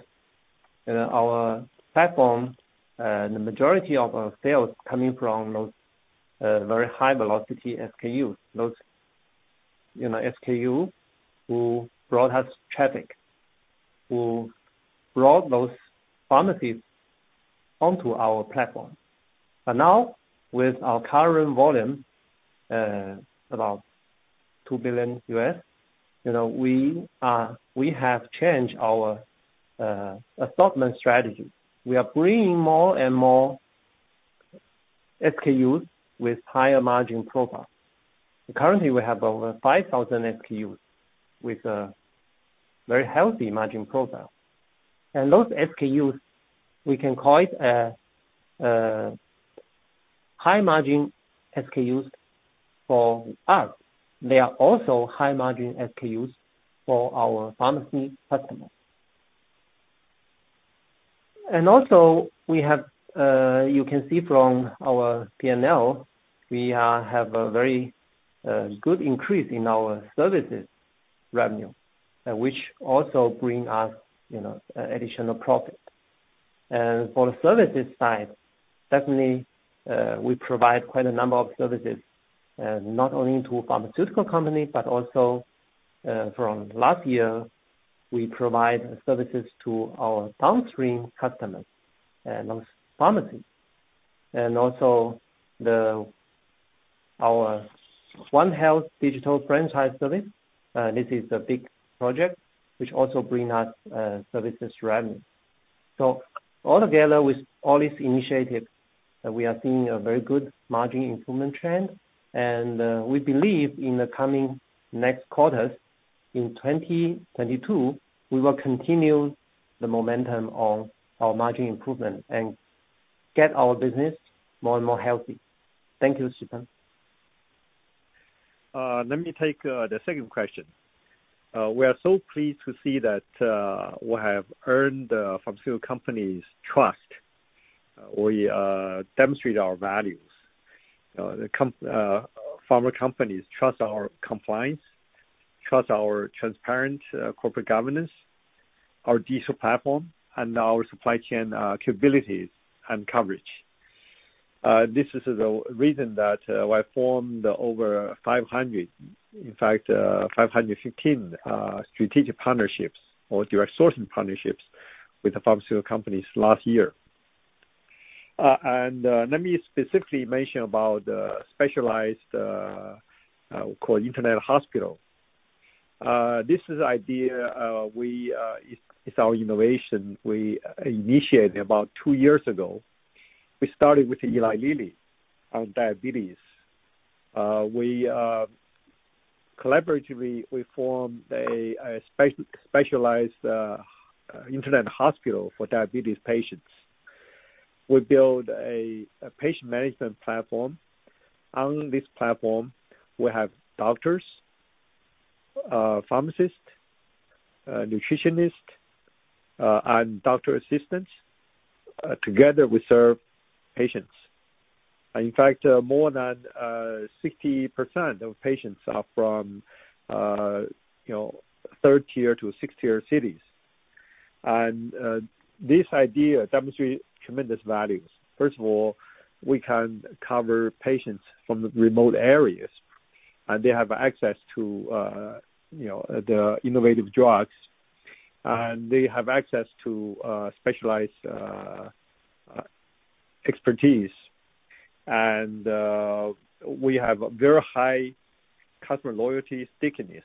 you know, our platform, the majority of our sales coming from those very high velocity SKUs. Those, you know, SKUs who brought us traffic, who brought those pharmacies onto our platform. But now with our current volume, about $2 billion, you know, we have changed our assortment strategy. We are bringing more and more SKUs with higher margin profile. Currently we have over 5,000 SKUs with a very healthy margin profile. And those SKUs, we can call it a high margin SKUs for us. They are also high margin SKUs for our pharmacy customers. And also we have, you can see from our P&L, we have a very good increase in our services revenue, which also bring us, you know, additional profit. For the services side, certainly, we provide quite a number of services, not only to pharmaceutical companies, but also, from last year, we provide services to our downstream customers and those pharmacies. Also, our One Health digital franchise service, this is a big project which also bring us, services revenue. All together with all these initiatives, we are seeing a very good margin improvement trend. We believe in the coming next quarters in 2022, we will continue the momentum of our margin improvement and get our business more and more healthy. Thank you, Sibo. Let me take the second question. We are so pleased to see that we have earned the pharmaceutical companies' trust. We demonstrate our values. The top pharma companies trust our compliance, trust our transparent corporate governance, our digital platform and our supply chain capabilities and coverage. This is the reason that we formed over 500, in fact, 515 strategic partnerships or direct sourcing partnerships with the pharmaceutical companies last year. Let me specifically mention about the specialized Internet hospital we call. This is idea, it's our innovation we initiated about two years ago. We started with Eli Lilly on diabetes. We collaboratively formed a specialized Internet hospital for diabetes patients. We built a patient management platform. On this platform, we have doctors, pharmacists, nutritionist, and doctor assistants. Together we serve patients. In fact, more than 60% of patients are from you know, third tier to sixth tier cities. This idea demonstrate tremendous values. First of all, we can cover patients from the remote areas, and they have access to you know, the innovative drugs. They have access to specialized expertise. We have very high customer loyalty stickiness.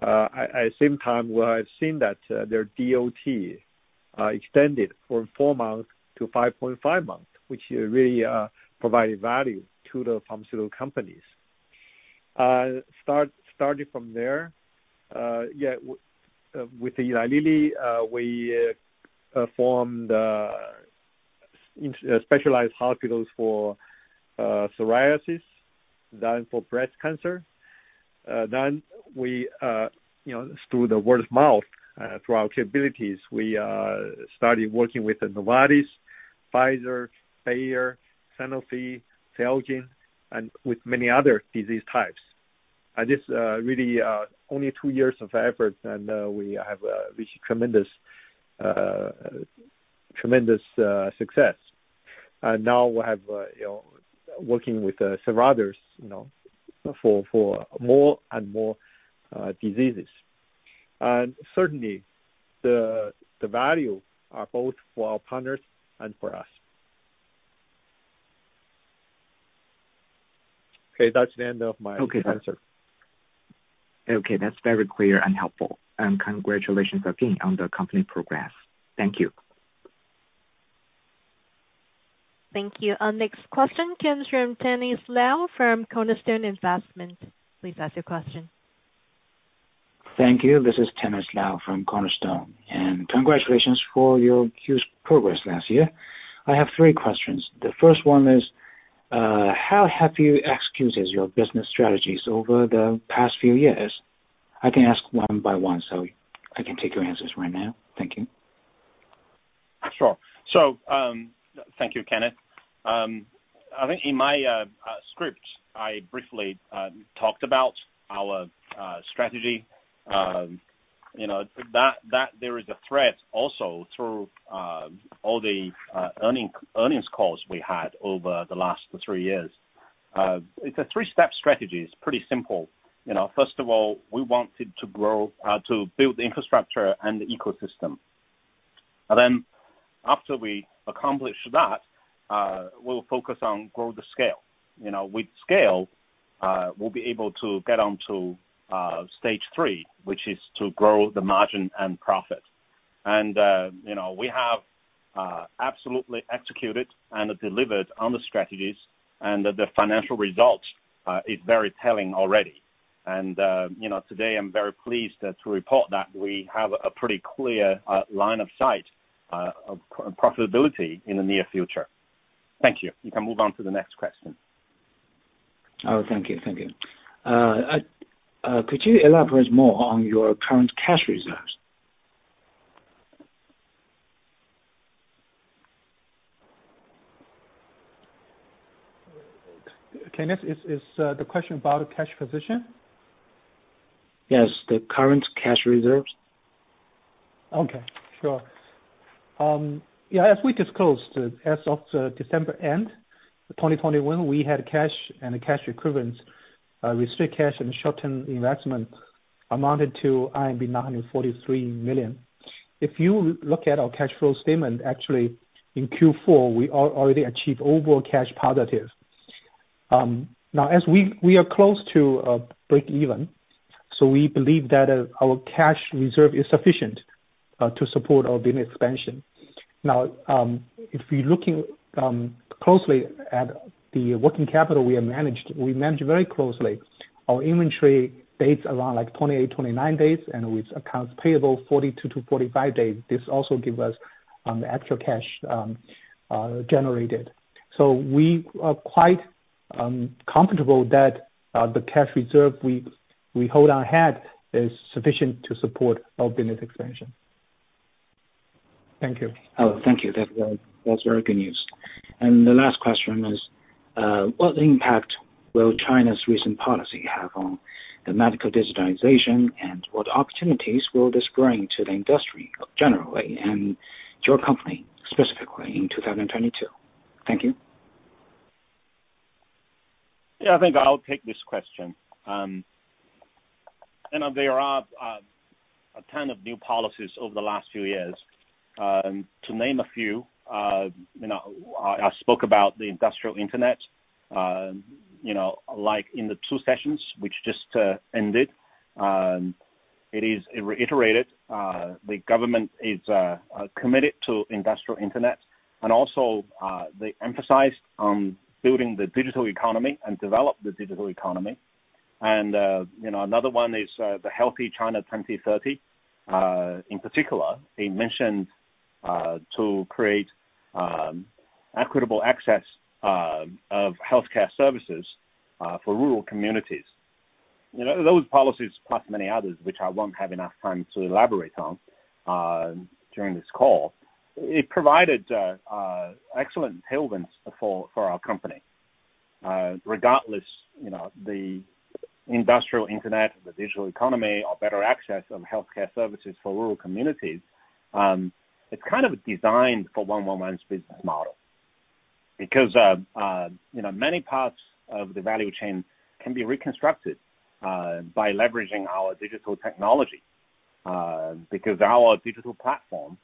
At the same time, we have seen that their DOT extended from four months to 5.5 months, which really provided value to the pharmaceutical companies. Starting from there, with Eli Lilly, we formed specialized hospitals for psoriasis, then for breast cancer. We, you know, through the word of mouth, through our capabilities, we started working with Novartis, Pfizer, Bayer, Sanofi, Celgene, and with many other disease types. This really only two years of effort and we have reached tremendous success. Now we have you know working with several others you know for more and more diseases. Certainly the value are both for our partners and for us. Okay, that's the end of my answer. Okay. Okay, that's very clear and helpful. Congratulations again on the company progress. Thank you. Thank you. Our next question comes from Dennis Lau from Cornerstone Investment. Please ask your question. Thank you. This is Dennis Lau from Cornerstone. Congratulations for your huge progress last year. I have three questions. The first one is, how have you executed your business strategies over the past few years? I can ask one by one, so I can take your answers right now. Thank you. Sure. Thank you, Dennis. I think in my script, I briefly talked about our strategy, you know. That there is a thread also through all the earnings calls we had over the last three years. It's a three-step strategy. It's pretty simple, you know. First of all, we wanted to build the infrastructure and the ecosystem. After we accomplish that, we'll focus on grow the scale. You know, with scale, we'll be able to get onto stage three, which is to grow the margin and profit. You know, we have absolutely executed and delivered on the strategies and the financial results is very telling already. You know, today, I'm very pleased to report that we have a pretty clear line of sight of profitability in the near future. Thank you. You can move on to the next question. Oh, thank you. Could you elaborate more on your current cash reserves? Dennis, is the question about cash position? Yes, the current cash reserves. Okay. Sure. Yeah, as we disclosed, as of end of December 2021, we had cash and cash equivalents and short-term investments amounting to 943 million. If you look at our cash flow statement, actually in Q4, we already achieved overall cash positive. Now as we are close to breakeven, we believe that our cash reserve is sufficient to support our business expansion. Now, if you're looking closely at the working capital we have managed, we manage very closely. Our inventory days around like 28-29 days and accounts payable 42-45 days. This also gives us the extra cash generated. We are quite comfortable that the cash reserve we hold on hand is sufficient to support our business expansion. Thank you. Oh, thank you. That's very good news. The last question is, what impact will China's recent policy have on the medical digitization, and what opportunities will this bring to the industry generally and your company specifically in 2022? Thank you. Yeah, I think I'll take this question. There are a ton of new policies over the last few years. To name a few, you know, I spoke about the industrial internet, you know. Like in the Two Sessions which just ended, it is reiterated the government is committed to industrial internet. They also emphasized on building the digital economy and develop the digital economy. You know, another one is the Healthy China 2030. In particular, they mentioned to create equitable access of healthcare services for rural communities. You know, those policies, plus many others, which I won't have enough time to elaborate on during this call, it provided excellent tailwinds for our company. Regardless, you know, the industrial internet, the digital economy or better access of healthcare services for rural communities, it's kind of designed for One Medical's business model. Because, you know, many parts of the value chain can be reconstructed by leveraging our digital technology, because our digital platform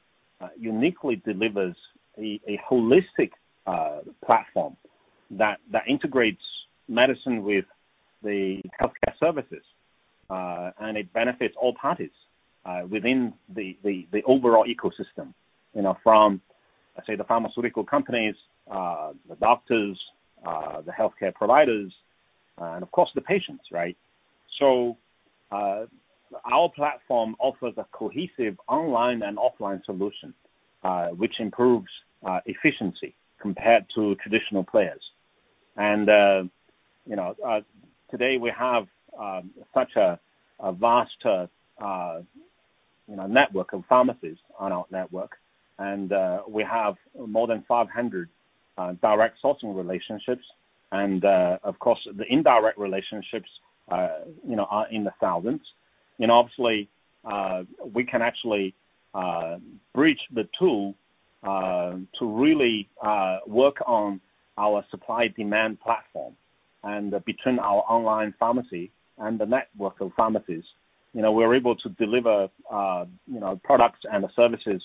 uniquely delivers a holistic platform that integrates medicine with the healthcare services. It benefits all parties within the overall ecosystem. You know, from, let's say, the pharmaceutical companies, the doctors, the healthcare providers, and of course the patients, right? Our platform offers a cohesive online and offline solution, which improves efficiency compared to traditional players. You know, today we have such a vast, you know, network of pharmacies on our network. We have more than 500 direct sourcing relationships. Of course, the indirect relationships, you know, are in the thousands. You know, obviously, we can actually bridge the two to really work on our supply demand platform. Between our online pharmacy and the network of pharmacies, you know, we're able to deliver, you know, products and the services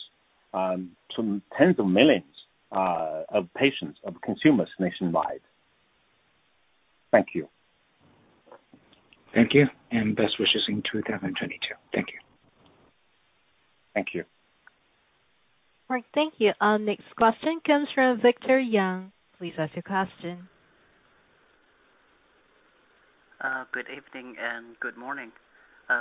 to tens of millions of patients, of consumers nationwide. Thank you. Thank you, and best wishes in 2022. Thank you. Thank you. All right. Thank you. Next question comes from Victor Young. Please ask your question. Good evening and good morning.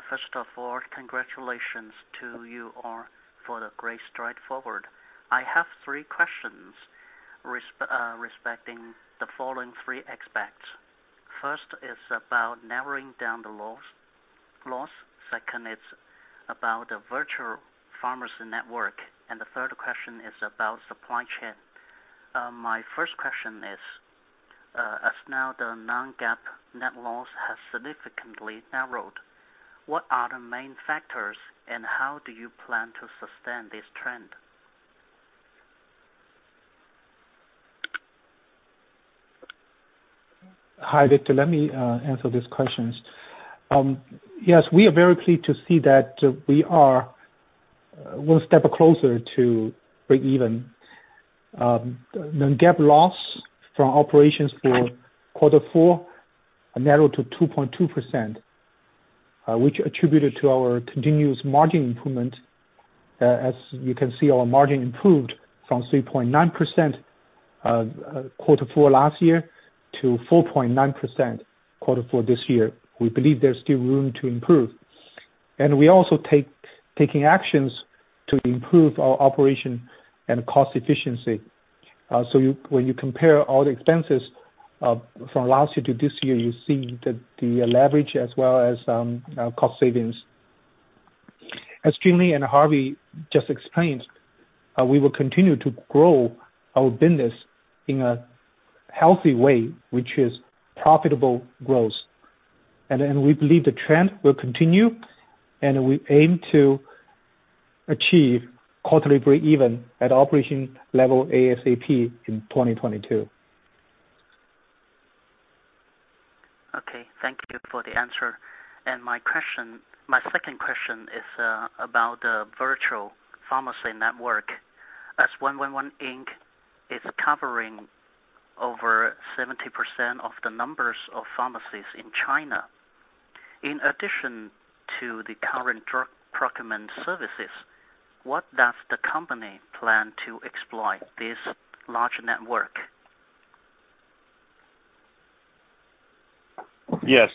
First of all, congratulations to you all for the great stride forward. I have three questions respecting the following three aspects. First is about narrowing down the loss. Second is about the virtual pharmacy network. The third question is about supply chain. My first question is, as now the non-GAAP net loss has significantly narrowed, what are the main factors, and how do you plan to sustain this trend? Hi, Victor. Let me answer these questions. Yes, we are very pleased to see that we are one step closer to breakeven. The non-GAAP loss from operations for quarter four narrowed to 2.2%, which attributed to our continuous margin improvement. As you can see, our margin improved from 3.9% quarter four last year to 4.9% quarter four this year. We believe there's still room to improve. We also taking actions to improve our operation and cost efficiency. When you compare all the expenses from last year to this year, you see the leverage as well as cost savings. As Jimmy and Harvey just explained, we will continue to grow our business in a healthy way, which is profitable growth. We believe the trend will continue, and we aim to achieve quarterly breakeven at operation level ASAP in 2022. Okay. Thank you for the answer. My question, my second question is, about the virtual pharmacy network. As 111, Inc. is covering over 70% of the number of pharmacies in China, in addition to the current drug procurement services, what does the company plan to exploit this large network? Yes.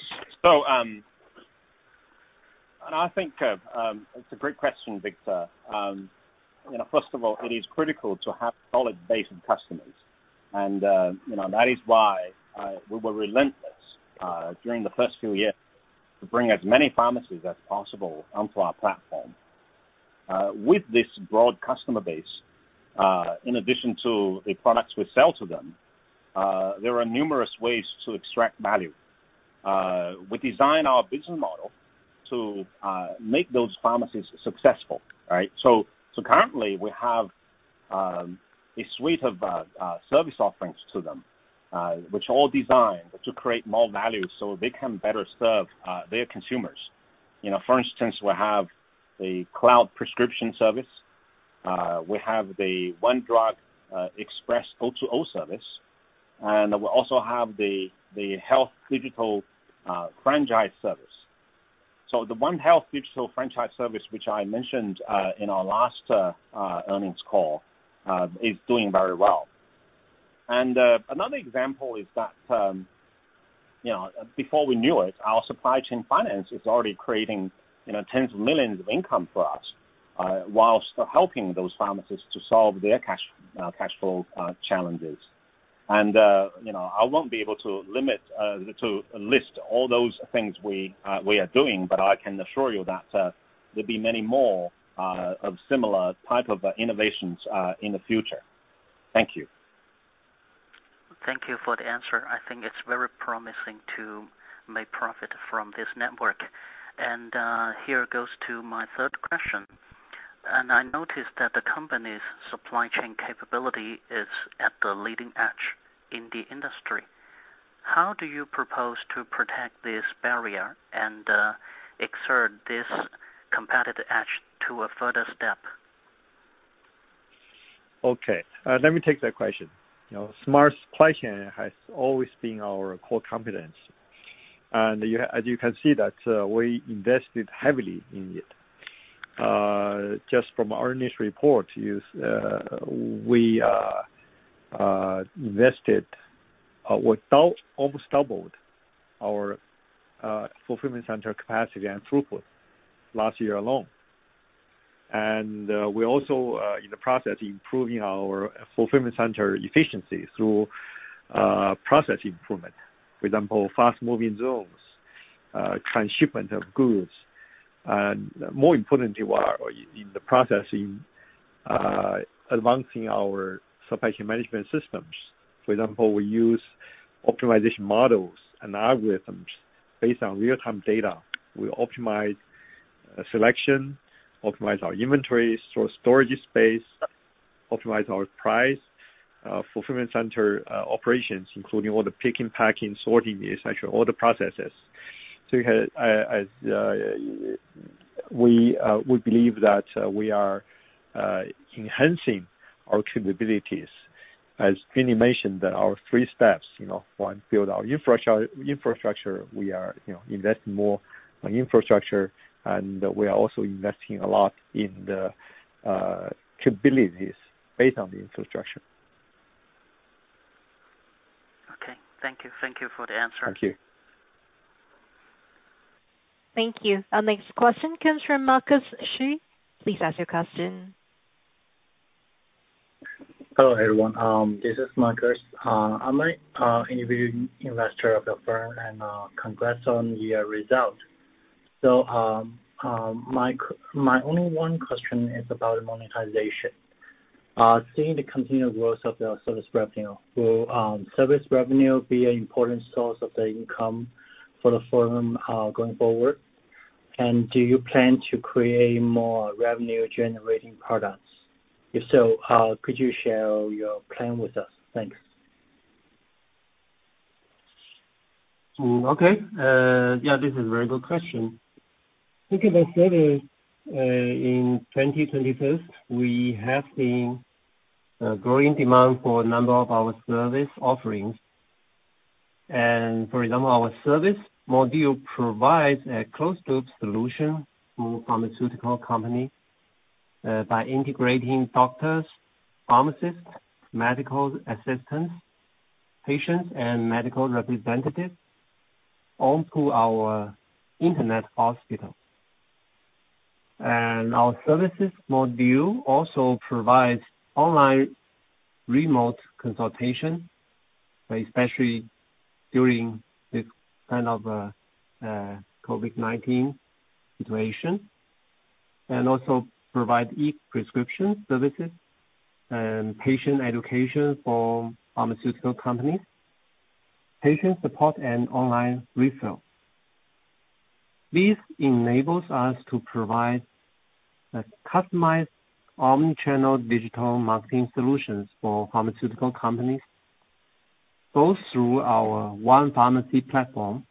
I think it's a great question, Victor. You know, first of all, it is critical to have solid base of customers. You know, that is why we were relentless during the first few years to bring as many pharmacies as possible onto our platform. With this broad customer base, in addition to the products we sell to them, there are numerous ways to extract value. We design our business model to make those pharmacies successful, right? Currently we have a suite of service offerings to them, which all designed to create more value so they can better serve their consumers. You know, for instance, we have a Cloud Prescription Service. We have the One Drug Express O2O service, and we also have the health digital franchise service. The One Health digital franchise service, which I mentioned in our last earnings call, is doing very well. You know, before we knew it, our supply chain finance is already creating tens of millions RMB of income for us while helping those pharmacists to solve their cash flow challenges. You know, I won't be able to list all those things we are doing, but I can assure you that there'll be many more of similar type of innovations in the future. Thank you. Thank you for the answer. I think it's very promising to make profit from this network. Here it goes to my third question. I noticed that the company's supply chain capability is at the leading edge in the industry. How do you propose to protect this barrier and exert this competitive edge to a further step? Okay. Let me take that question. You know, smart supply chain has always been our core competence. As you can see that, we invested heavily in it. Just from our earnings report, we almost doubled our fulfillment center capacity and throughput last year alone. We're also in the process improving our fulfillment center efficiency through process improvement. For example, fast moving zones, transshipment of goods, and more importantly, while in the processing, advancing our supply chain management systems. For example, we use optimization models and algorithms based on real-time data. We optimize selection, optimize our inventory, store storage space, optimize our price, fulfillment center operations, including all the picking, packing, sorting, essentially all the processes. We believe that we are enhancing our capabilities. As Jimmy mentioned that our three steps, you know, one, build our infrastructure. We are, you know, investing more on infrastructure and we are also investing a lot in the capabilities based on the infrastructure. Okay. Thank you. Thank you for the answer. Thank you. Thank you. Our next question comes from Marcus Shu. Please ask your question. Hello, everyone. This is Marcus. I'm a individual investor of the firm and congrats on your result. My only one question is about monetization. Seeing the continued growth of the service revenue, will service revenue be an important source of the income for the firm going forward? And do you plan to create more revenue-generating products? If so, could you share your plan with us? Thanks. Okay. Yeah, this is a very good question. Look at the service in 2021, we have seen a growing demand for a number of our service offerings. For example, our service module provides a closed loop solution for pharmaceutical company by integrating doctors, pharmacists, medical assistants, patients and medical representatives onto our internet hospital. Our services module also provides online remote consultation, especially during this kind of COVID-19 situation, and also provide e-prescription services and patient education for pharmaceutical companies, patient support, and online refill. This enables us to provide a customized omni-channel digital marketing solutions for pharmaceutical companies, both through our One Pharmacy platform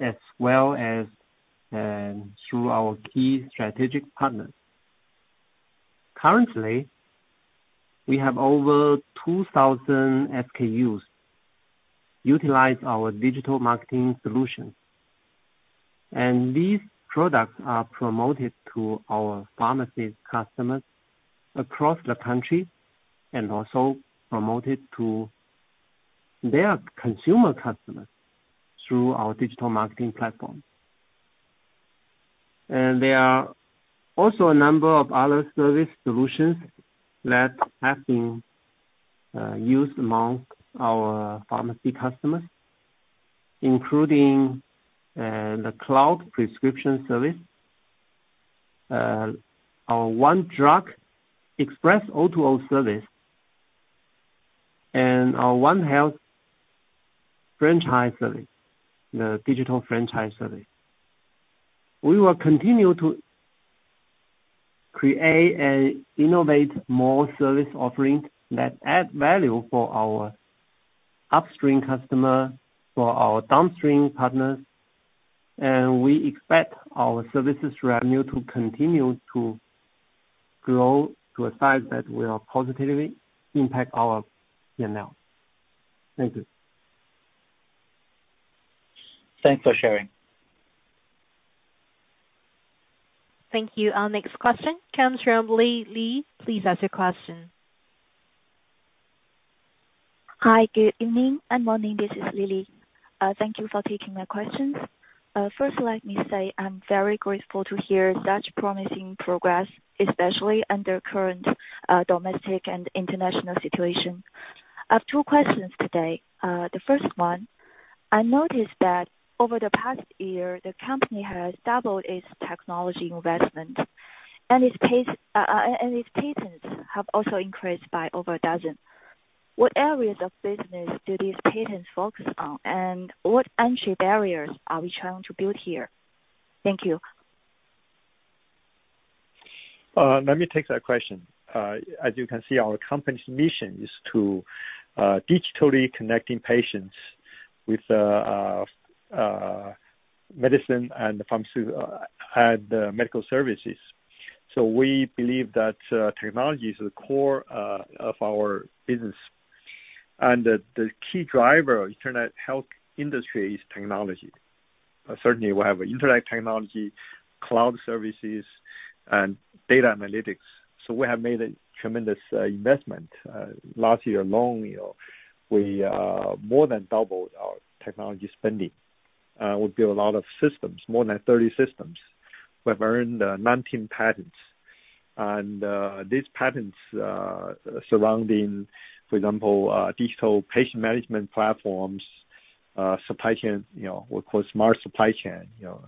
as well as through our key strategic partners. Currently, we have over 2,000 SKUs utilize our digital marketing solutions. These products are promoted to our pharmacy customers across the country and also promoted to their consumer customers through our digital marketing platform. There are also a number of other service solutions that have been used among our pharmacy customers, including the Cloud Prescription Service, our One Drug Express O2O service, and our One Health franchise service, the digital franchise service. We will continue to create and innovate more service offerings that add value for our upstream customer, for our downstream partners, and we expect our services revenue to continue to grow to a size that will positively impact our P&L. Thank you. Thanks for sharing. Thank you. Our next question comes from Li Li. Please ask your question. Hi. Good evening and morning. This is Li Li. Thank you for taking my questions. First let me say I'm very grateful to hear such promising progress, especially under current domestic and international situation. I have two questions today. The first one, I noticed that over the past year, the company has doubled its technology investment and its pace, and its patents have also increased by over a dozen. What areas of business do these patents focus on, and what entry barriers are we trying to build here? Thank you. Let me take that question. As you can see, our company's mission is to digitally connecting patients with medicine and medical services. We believe that technology is the core of our business. The key driver of internet health industry is technology. Certainly we have internet technology, cloud services, and data analytics. We have made a tremendous investment. Last year alone, you know, we more than doubled our technology spending. We build a lot of systems, more than 30 systems. We've earned 19 patents. These patents surrounding, for example, digital patient management platforms, supply chain, you know, we call smart supply chain. You know,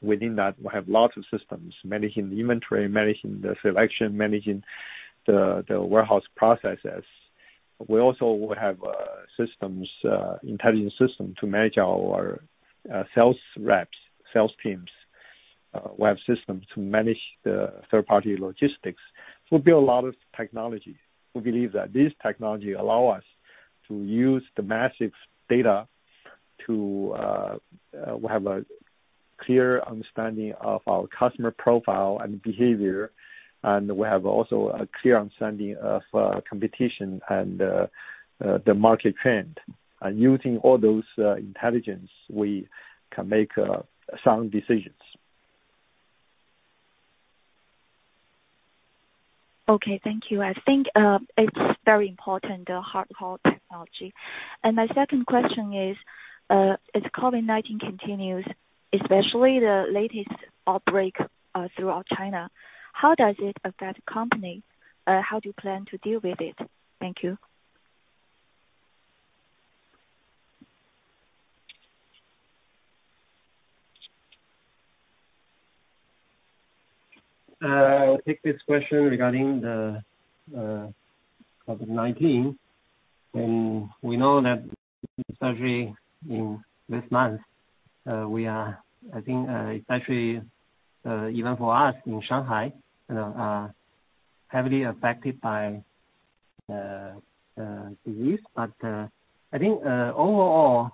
within that we have lots of systems, managing the inventory, managing the selection, managing the warehouse processes. We also have systems, intelligent system to manage our sales reps, sales teams. We have systems to manage the third party logistics. We build a lot of technology. We believe that this technology allow us to use the massive data to have a clear understanding of our customer profile and behavior. We have also a clear understanding of competition and the market trend. Using all those intelligence, we can make sound decisions. Okay. Thank you. I think, it's very important, the hardcore technology. My second question is, as COVID-19 continues, especially the latest outbreak, throughout China, how does it affect company? How do you plan to deal with it? Thank you. I'll take this question regarding the COVID-19. We know that surge in this month, we are I think, especially, even for us in Shanghai, you know, are heavily affected by the disease. I think, overall,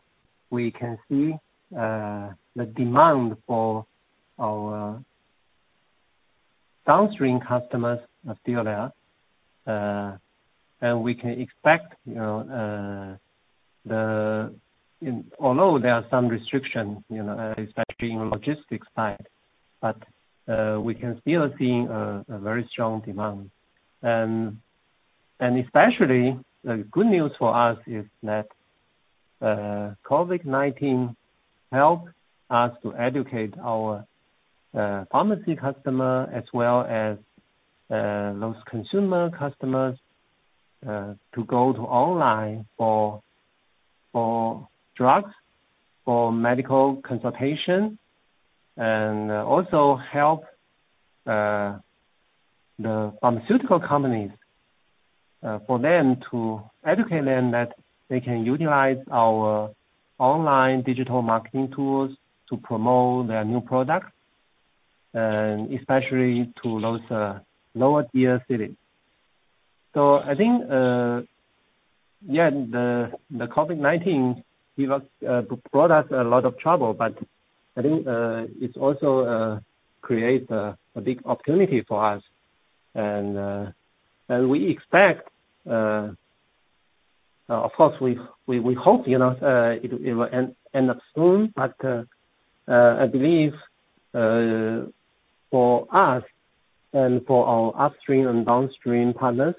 we can see the demand for our downstream customers are still there. We can expect, you know, although there are some restrictions, you know, especially in logistics side, but we can still see a very strong demand. Especially the good news for us is that COVID-19 helped us to educate our pharmacy customer as well as those consumer customers to go online for drugs, for medical consultation, and also help the pharmaceutical companies for them to educate them that they can utilize our online digital marketing tools to promote their new products, and especially to those lower tier cities. I think, yeah, the COVID-19 brought us a lot of trouble, but I think it's also create a big opportunity for us. Of course, we hope, you know, it will end up soon. I believe for us and for our upstream and downstream partners,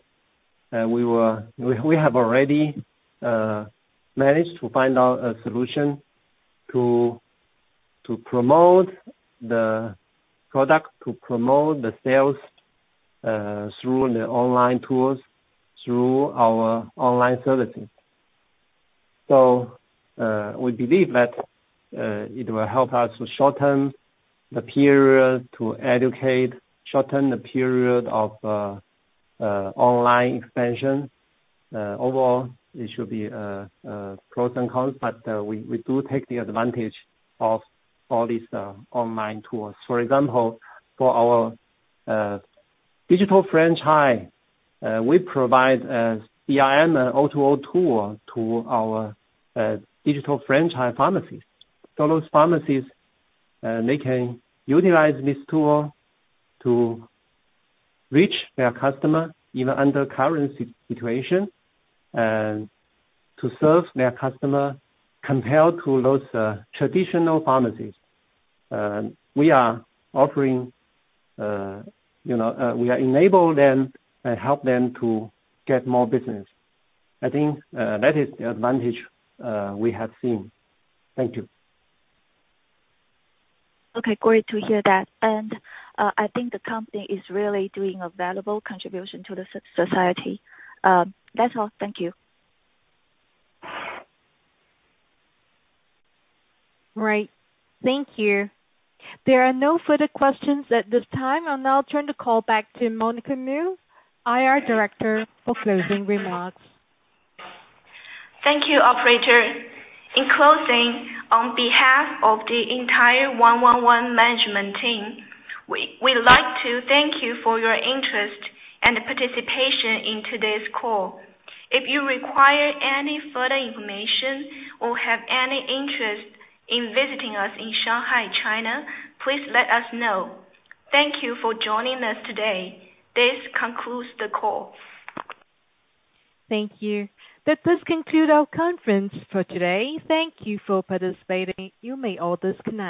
we have already managed to find out a solution to promote the product, to promote the sales through the online tools, through our online services. We believe that it will help us to shorten the period to educate, shorten the period of online expansion. Overall, it should be pros and cons, but we do take the advantage of all these online tools. For example, for our digital franchise, we provide CRM tool to our digital franchise pharmacies. Those pharmacies they can utilize this tool to reach their customer even under current situation, and to serve their customer compared to those traditional pharmacies. We are offering, you know, we enable them and help them to get more business. I think that is the advantage we have seen. Thank you. Okay. Great to hear that. I think the company is really doing a valuable contribution to the society. That's all. Thank you. Right. Thank you. There are no further questions at this time. I'll now turn the call back to Monica Mu, IR Director, for closing remarks. Thank you, operator. In closing, on behalf of the entire 111 management team, we'd like to thank you for your interest and participation in today's call. If you require any further information or have any interest in visiting us in Shanghai, China, please let us know. Thank you for joining us today. This concludes the call. Thank you. That does conclude our conference for today. Thank you for participating. You may all disconnect.